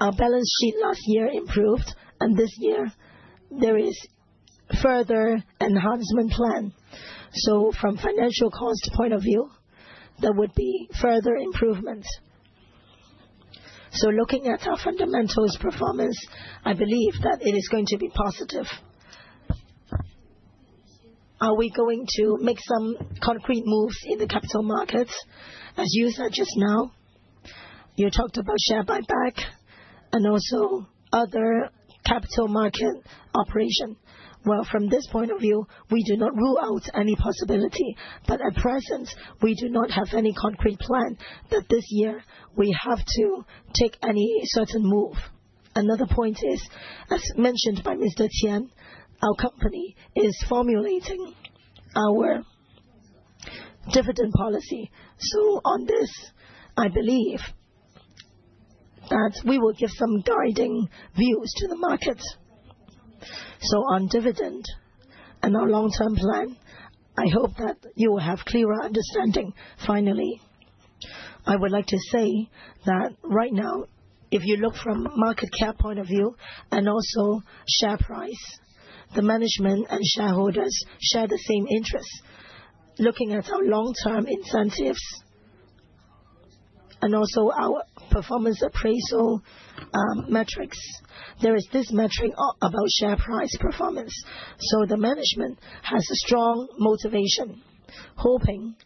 Our balance sheet last year improved, and this year, there is further enhancement plan, so from financial cost point of view, there would be further improvements. So looking at our fundamentals performance, I believe that it is going to be positive. Are we going to make some concrete moves in the capital markets? As you said just now, you talked about share buyback and also other capital market operation, well, from this point of view, we do not rule out any possibility. But at present, we do not have any concrete plan that this year we have to take any certain move. Another point is, as mentioned by Mr. Tian, our company is formulating our dividend policy. So on this, I believe that we will give some guiding views to the markets. So on dividend and our long-term plan, I hope that you will have clearer understanding. Finally, I would like to say that right now, if you look from market cap point of view and also share price, the management and shareholders share the same interests. Looking at our long-term incentives and also our performance appraisal metrics, there is this metric about share price performance. So the management has a strong motivation, hoping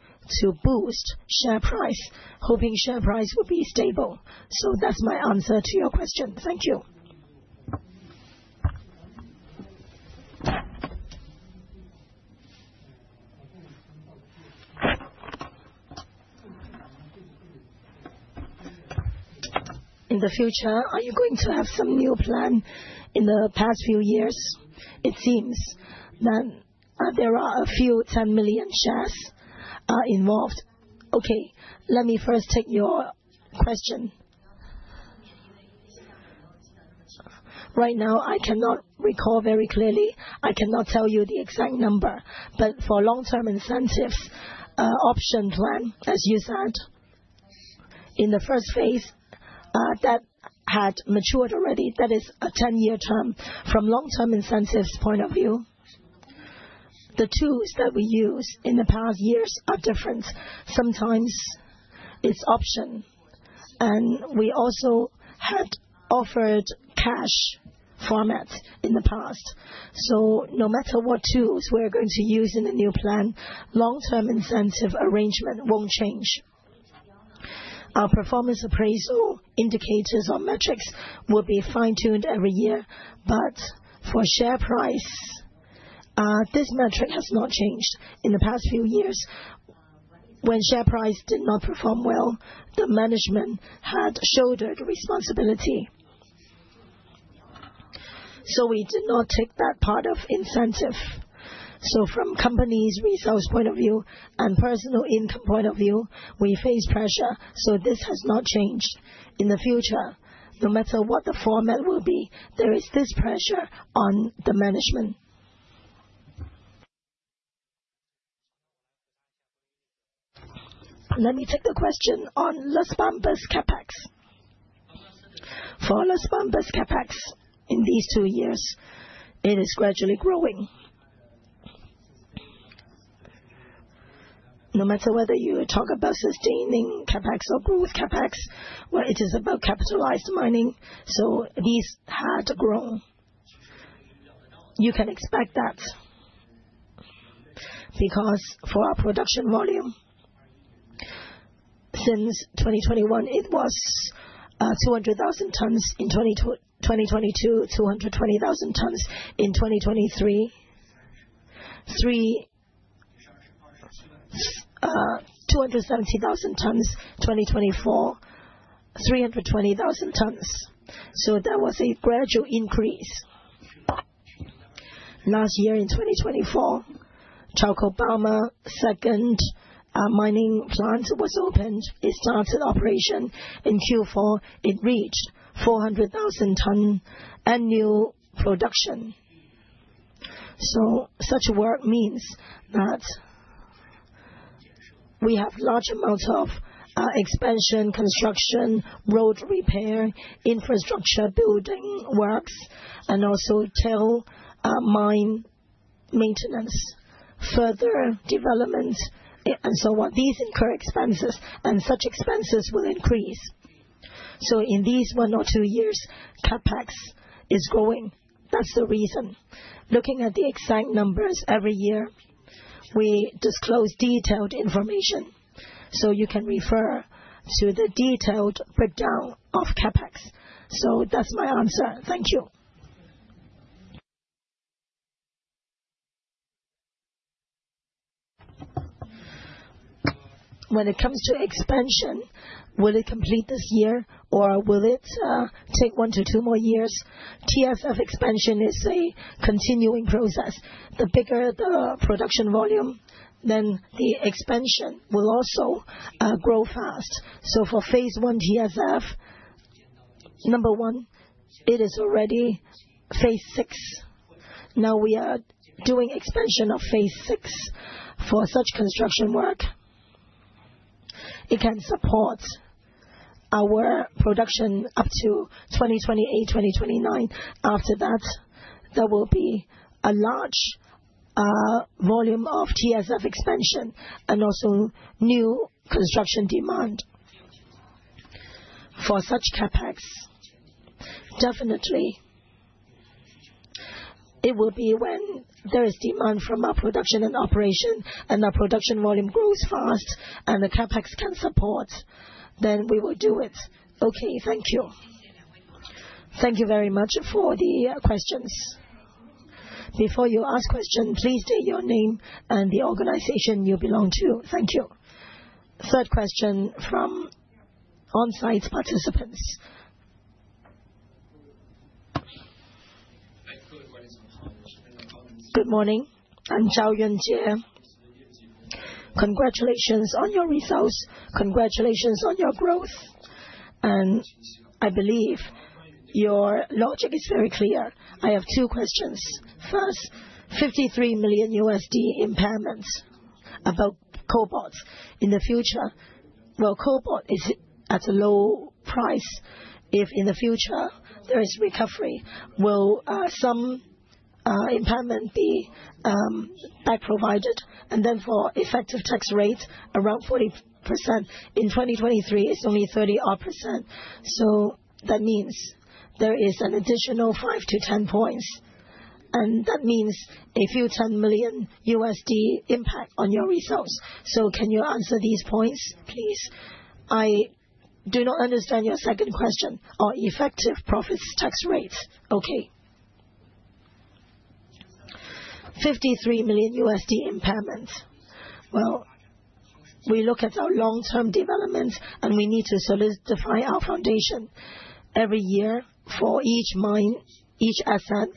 to boost share price, hoping share price will be stable. So that's my answer to your question. Thank you. In the future, are you going to have some new plan in the past few years? It seems that there are a few 10 million shares involved. Okay. Let me first take your question. Right now, I cannot recall very clearly. I cannot tell you the exact number. But for long-term incentives, option plan, as you said, in the first phase, that had matured already, that is a 10-year term. From long-term incentives point of view, the tools that we use in the past years are different. Sometimes it's option, and we also had offered cash format in the past. So no matter what tools we're going to use in the new plan, long-term incentive arrangement won't change. Our performance appraisal indicators or metrics will be fine-tuned every year. But for share price, this metric has not changed. In the past few years, when share price did not perform well, the management had shouldered responsibility. So we did not take that part of incentive. So from company's resource point of view and personal income point of view, we face pressure. So this has not changed. In the future, no matter what the format will be, there is this pressure on the management. Let me take the question on Las Bambas CapEx. For Las Bambas CapEx in these two years, it is gradually growing. No matter whether you talk about sustaining CapEx or growth CapEx, well, it is about capitalized mining. So these had to grow. You can expect that because for our production volume, since 2021, it was 200,000 tonnes in 2022, 220,000 tonnes in 2023, 270,000 tonnes 2024, 320,000 tonnes. So there was a gradual increase. Last year in 2024, Chalcobamba second mining plant was opened. It started operation in Q4. It reached 400,000 tonne annual production. So such work means that we have large amounts of expansion, construction, road repair, infrastructure building works, and also tail mine maintenance, further development, and so on. These incur expenses, and such expenses will increase. So in these one or two years, CapEx is growing. That's the reason. Looking at the exact numbers every year, we disclose detailed information. So you can refer to the detailed breakdown of CapEx. So that's my answer. Thank you. When it comes to expansion, will it complete this year, or will it take one to two more years? TSF expansion is a continuing process. The bigger the production volume, then the expansion will also grow fast. So for phase one TSF, number one, it is already Phase 11. Now we are doing expansion of Phase 11 for such construction work. It can support our production up to 2028, 2029. After that, there will be a large volume of TSF expansion and also new construction demand. For such CapEx, definitely, it will be when there is demand from our production and operation, and our production volume grows fast, and the CapEx can support, then we will do it. Okay. Thank you. Thank you very much for the questions. Before you ask questions, please state your name and the organization you belong to. Thank you. Third question from on-site participants. Good morning. I'm Zhao Yunjie. Congratulations on your results. Congratulations on your growth, and I believe your logic is very clear. I have two questions. First, $53 million impairments about cobalt. In the future, well, cobalt is at a low price. If in the future there is recovery, will some impairment be back provided? And then for effective tax rate, around 40%. In 2023, it's only 30%. So that means there is an additional 5-10 points. And that means a few 10 million USD impact on your results. So can you answer these points, please? I do not understand your second question. Or effective profits tax rate. Okay. $53 million impairments. Well, we look at our long-term developments, and we need to solidify our foundation. Every year for each mine, each asset,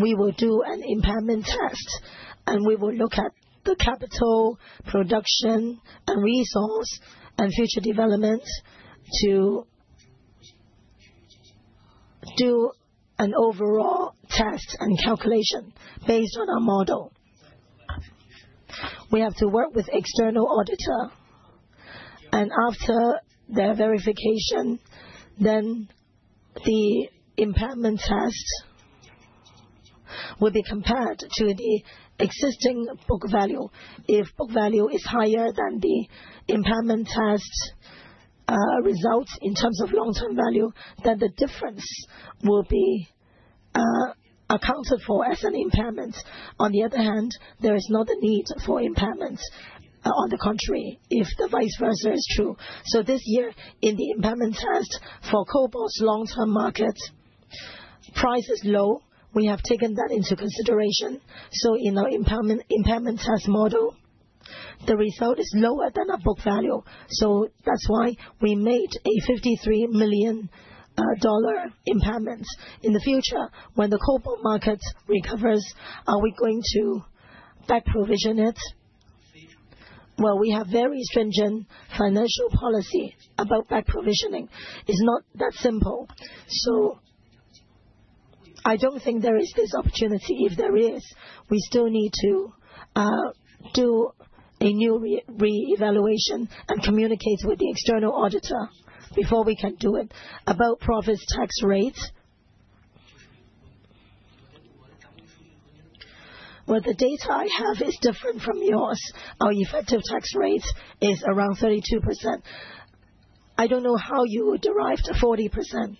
we will do an impairment test. And we will look at the capital, production, and resource, and future developments to do an overall test and calculation based on our model. We have to work with external auditor. And after their verification, then the impairment test will be compared to the existing book value. If book value is higher than the impairment test results in terms of long-term value, then the difference will be accounted for as an impairment. On the other hand, there is not a need for impairment on the contrary if the vice versa is true. So this year, in the impairment test for cobalt's long-term market, price is low. We have taken that into consideration. So in our impairment test model, the result is lower than our book value. So that's why we made a $53 million impairment. In the future, when the cobalt market recovers, are we going to back provision it? Well, we have very stringent financial policy about back provisioning. It's not that simple. So I don't think there is this opportunity. If there is, we still need to do a new re-evaluation and communicate with the external auditor before we can do it. About profits tax rate. Well, the data I have is different from yours. Our effective tax rate is around 32%. I don't know how you derived 40%.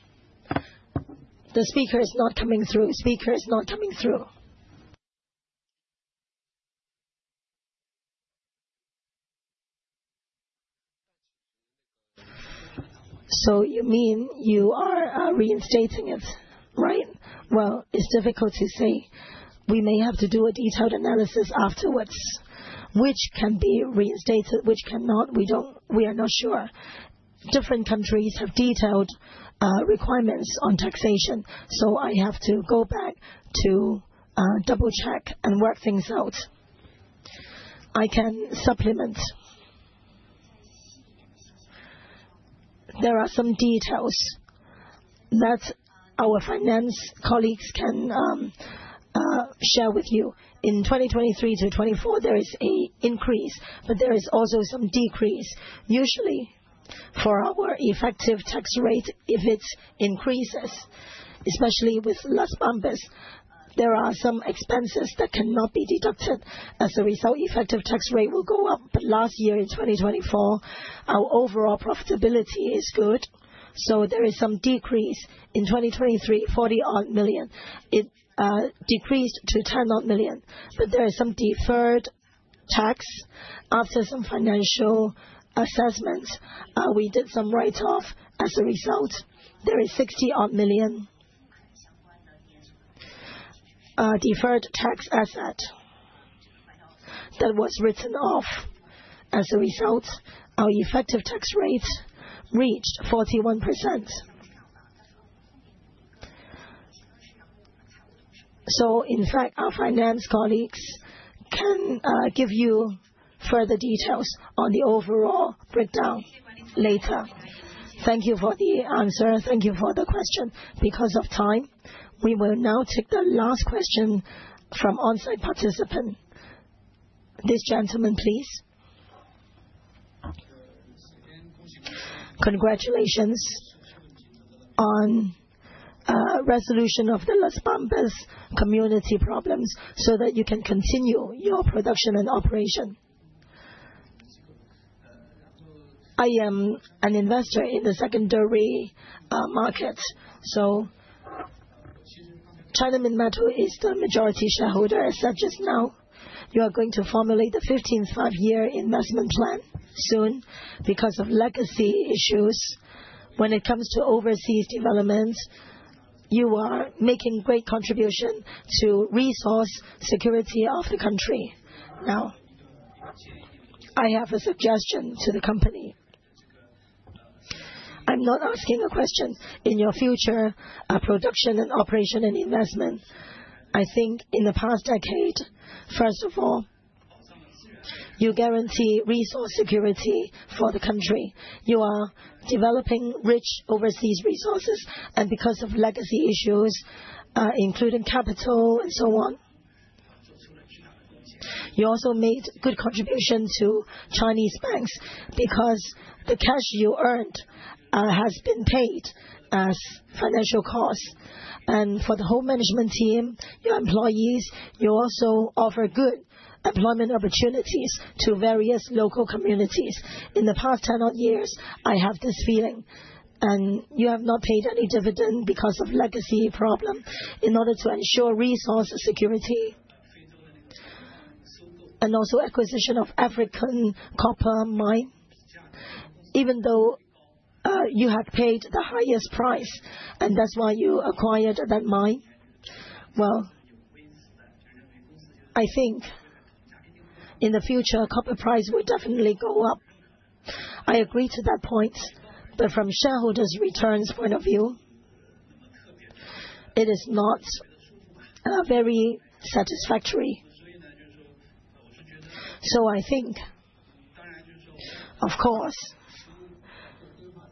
So you mean you are reinstating it, right? It's difficult to say. We may have to do a detailed analysis afterwards, which can be reinstated, which cannot. We are not sure. Different countries have detailed requirements on taxation. I have to go back to double-check and work things out. I can supplement. There are some details that our finance colleagues can share with you. In 2023 to 2024, there is an increase, but there is also some decrease. Usually, for our effective tax rate, if it increases, especially with Las Bambas, there are some expenses that cannot be deducted as a result. Effective tax rate will go up. But last year, in 2024, our overall profitability is good. So there is some decrease. In 2023, 40-odd million. It decreased to 10-odd million. But there is some deferred tax after some financial assessments. We did some write-off as a result. There is 60 odd million deferred tax asset that was written off as a result. Our effective tax rate reached 41%. So in fact, our finance colleagues can give you further details on the overall breakdown later. Thank you for the answer. Thank you for the question. Because of time, we will now take the last question from on-site participant. This gentleman, please. Congratulations on resolution of the Las Bambas community problems so tha t you can continue your production and operation. I am an investor in the secondary market. So China Minmetals is the majority shareholder, as such as now. You are going to formulate the 15th Five-Year Investment Plan soon because of legacy issues. When it comes to overseas development, you are making great contribution to resource security of the country. Now, I have a suggestion to the company. I'm not asking a question. In your future production and operation and investment, I think in the past decade, first of all, you guarantee resource security for the country. You are developing rich overseas resources, and because of legacy issues, including capital and so on, you also made good contribution to Chinese banks because the cash you earned has been paid as financial costs, and for the whole management team, your employees, you also offer good employment opportunities to various local communities. In the past 10 odd years, I have this feeling. And you have not paid any dividend because of legacy problem in order to ensure resource security and also acquisition of African copper mine. Even though you have paid the highest price, and that's why you acquired that mine. Well, I think in the future, copper price will definitely go up. I agree to that point. But from shareholders' returns point of view, it is not very satisfactory. So I think, of course,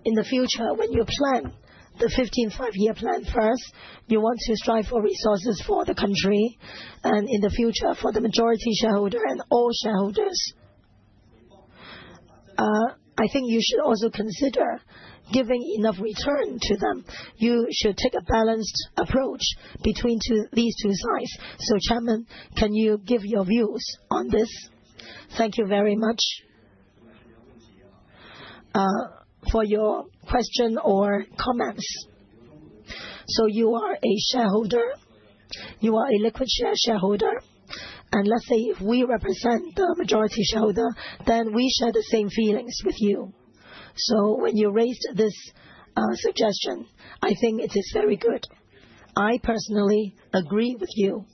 in the future, when you plan the 15th Five-Year Plan first, you want to strive for resources for the country and in the future for the majority shareholder and all shareholders. I think you should also consider giving enough return to them. You should take a balanced approach between these two sides. So Chairman, can you give your views on this? Thank you very much for your question or comments. So you are a shareholder. You are a liquid share shareholder. And let's say we represent the majority shareholder, then we share the same feelings with you. So when you raised this suggestion, I think it is very good. I personally agree with you.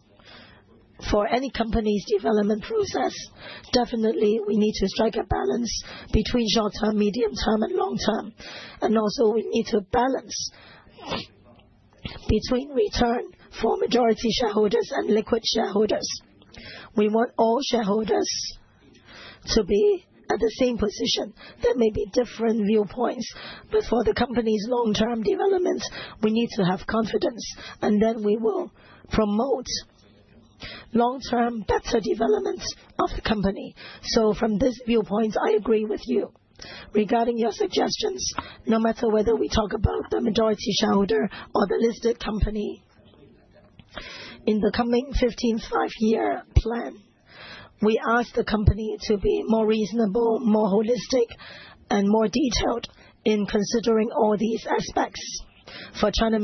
For any company's development process, definitely, we need to strike a balance between short-term, medium-term, and long-term. And also, we need to balance between return for majority shareholders and liquid shareholders. We want all shareholders to be at the same position. There may be different viewpoints. But for the company's long-term development, we need to have confidence. And then we will promote long-term better development of the company. So from this viewpoint, I agree with you regarding your suggestions, no matter whether we talk about the majority shareholder or the listed company. In the coming 15th Five-Year Plan, we ask the company to be more reasonable, more holistic, and more detailed in considering all these aspects for China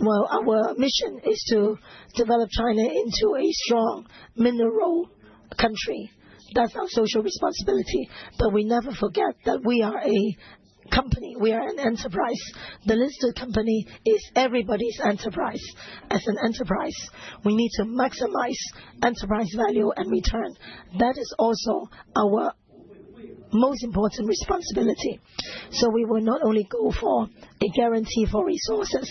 Minmetals'. Our mission is to develop China into a strong mineral country. That's our social responsibility. But we never forget that we are a company. We are an enterprise. The listed company is everybody's enterprise. As an enterprise, we need to maximize enterprise value and return. That is also our most important responsibility. So we will not only go for a guarantee for resources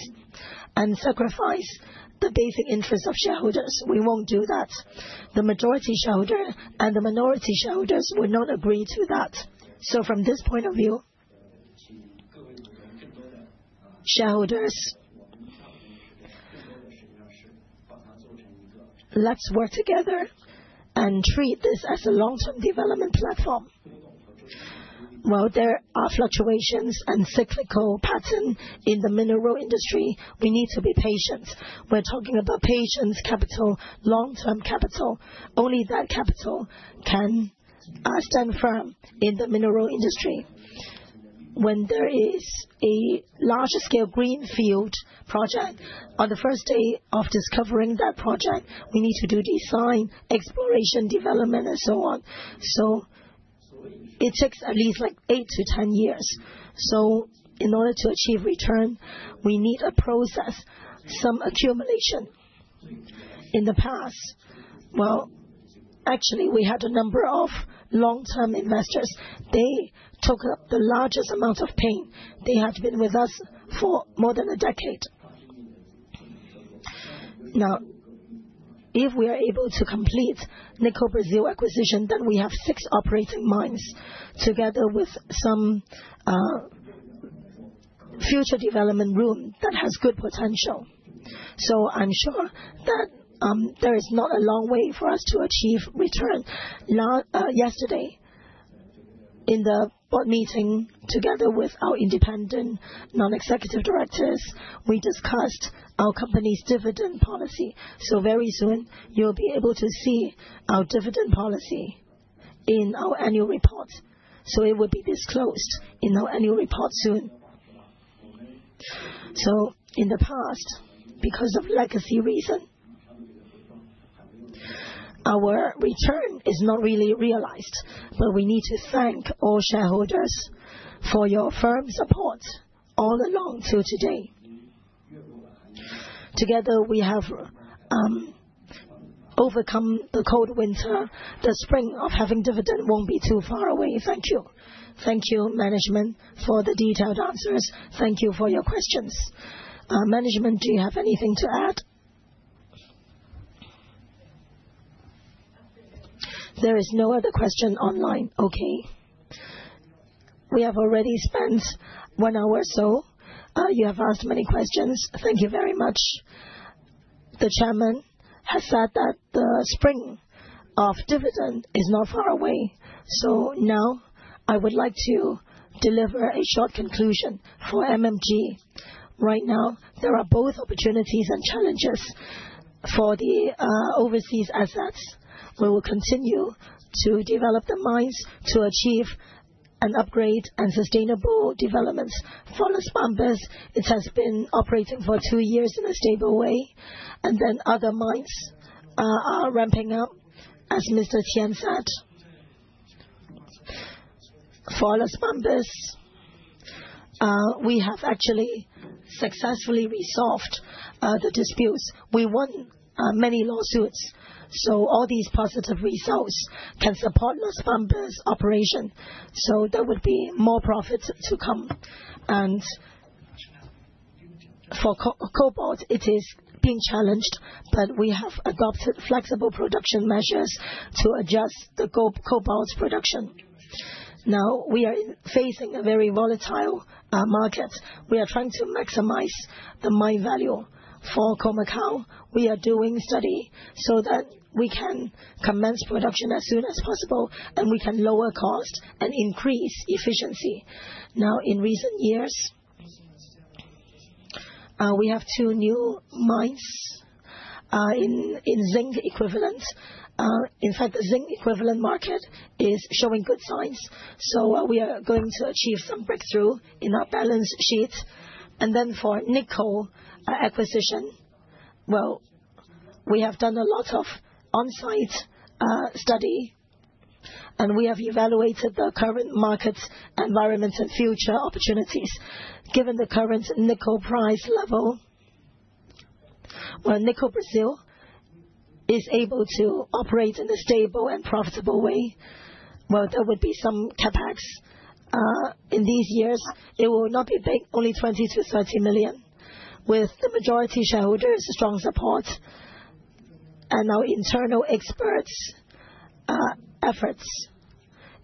and sacrifice the basic interests of shareholders. We won't do that. The majority shareholder and the minority shareholders will not agree to that. So from this point of view, shareholders, let's work together and treat this as a long-term development platform. There are fluctuations and cyclical pattern in the mineral industry. We need to be patient. We're talking about patience, capital, long-term capital. Only that capital can stand firm in the mineral industry. When there is a larger scale greenfield project, on the first day of discovering that project, we need to do design, exploration, development, and so on. So it takes at least like eight to 10 years. So in order to achieve return, we need a process, some accumulation. In the past, well, actually, we had a number of long-term investors. They took the largest amount of pain. They have been with us for more than a decade. Now, if we are able to complete the Cuprous acquisition, then we have six operating mines together with some future development room that has good potential. So I'm sure that there is not a long way for us to achieve return. Yesterday, in the board meeting together with our independent non-executive directors, we discussed our company's dividend policy. So very soon, you'll be able to see our dividend policy in our annual report. So it will be disclosed in our annual report soon. So in the past, because of legacy reason, our return is not really realized. But we need to thank all shareholders for your firm support all along till today. Together, we have overcome the cold winter. The spring of having dividend won't be too far away. Thank you. Thank you, management, for the detailed answers. Thank you for your questions. Management, do you have anything to add? There is no other question online. Okay. We have already spent one hour or so. You have asked many questions. Thank you very much. The Chairman has said that the spring of dividend is not far away. So now, I would like to deliver a short conclusion for MMG. Right now, there are both opportunities and challenges for the overseas assets. We will continue to develop the mines to achieve an upgrade and sustainable developments. For Las Bambas, it has been operating for two years in a stable way. And then other mines are ramping up, as Mr. Tian said. For Las Bambas, we have actually successfully resolved the disputes. We won many lawsuits. So all these positive results can support Las Bambas operation. So there would be more profits to come. And for cobalt, it is being challenged. But we have adopted flexible production measures to adjust the cobalt production. Now, we are facing a very volatile market. We are trying to maximize the mine value for Khoemacau. We are doing study so that we can commence production as soon as possible, and we can lower cost and increase efficiency. Now, in recent years, we have two new mines in zinc equivalent. In fact, the zinc equivalent market is showing good signs. So we are going to achieve some breakthrough in our balance sheet. And then for nickel acquisition, well, we have done a lot of on-site study, and we have evaluated the current market environment and future opportunities. Given the current nickel price level, well, Nickel Business is able to operate in a stable and profitable way. Well, there would be some CapEx in these years. It will not be big, only $20 million-$30 million, with the majority shareholders' strong support and our internal experts' efforts.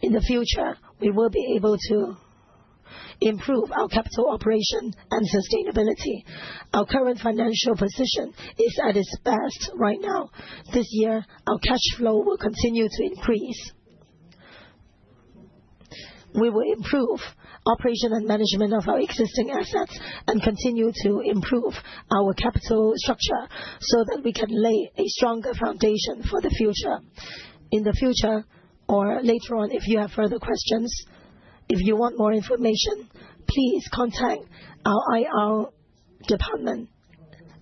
In the future, we will be able to improve our capital operation and sustainability. Our current financial position is at its best right now. This year, our cash flow will continue to increase. We will improve operation and management of our existing assets and continue to improve our capital structure so that we can lay a stronger foundation for the future. In the future or later on, if you have further questions, if you want more information, please contact our IR department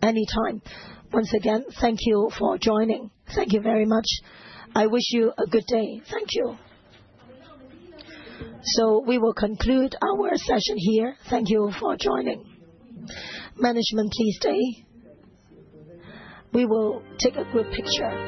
anytime. Once again, thank you for joining. Thank you very much. I wish you a good day. Thank you. So we will conclude our session here. Thank you for joining. Management, please stay. We will take a group picture.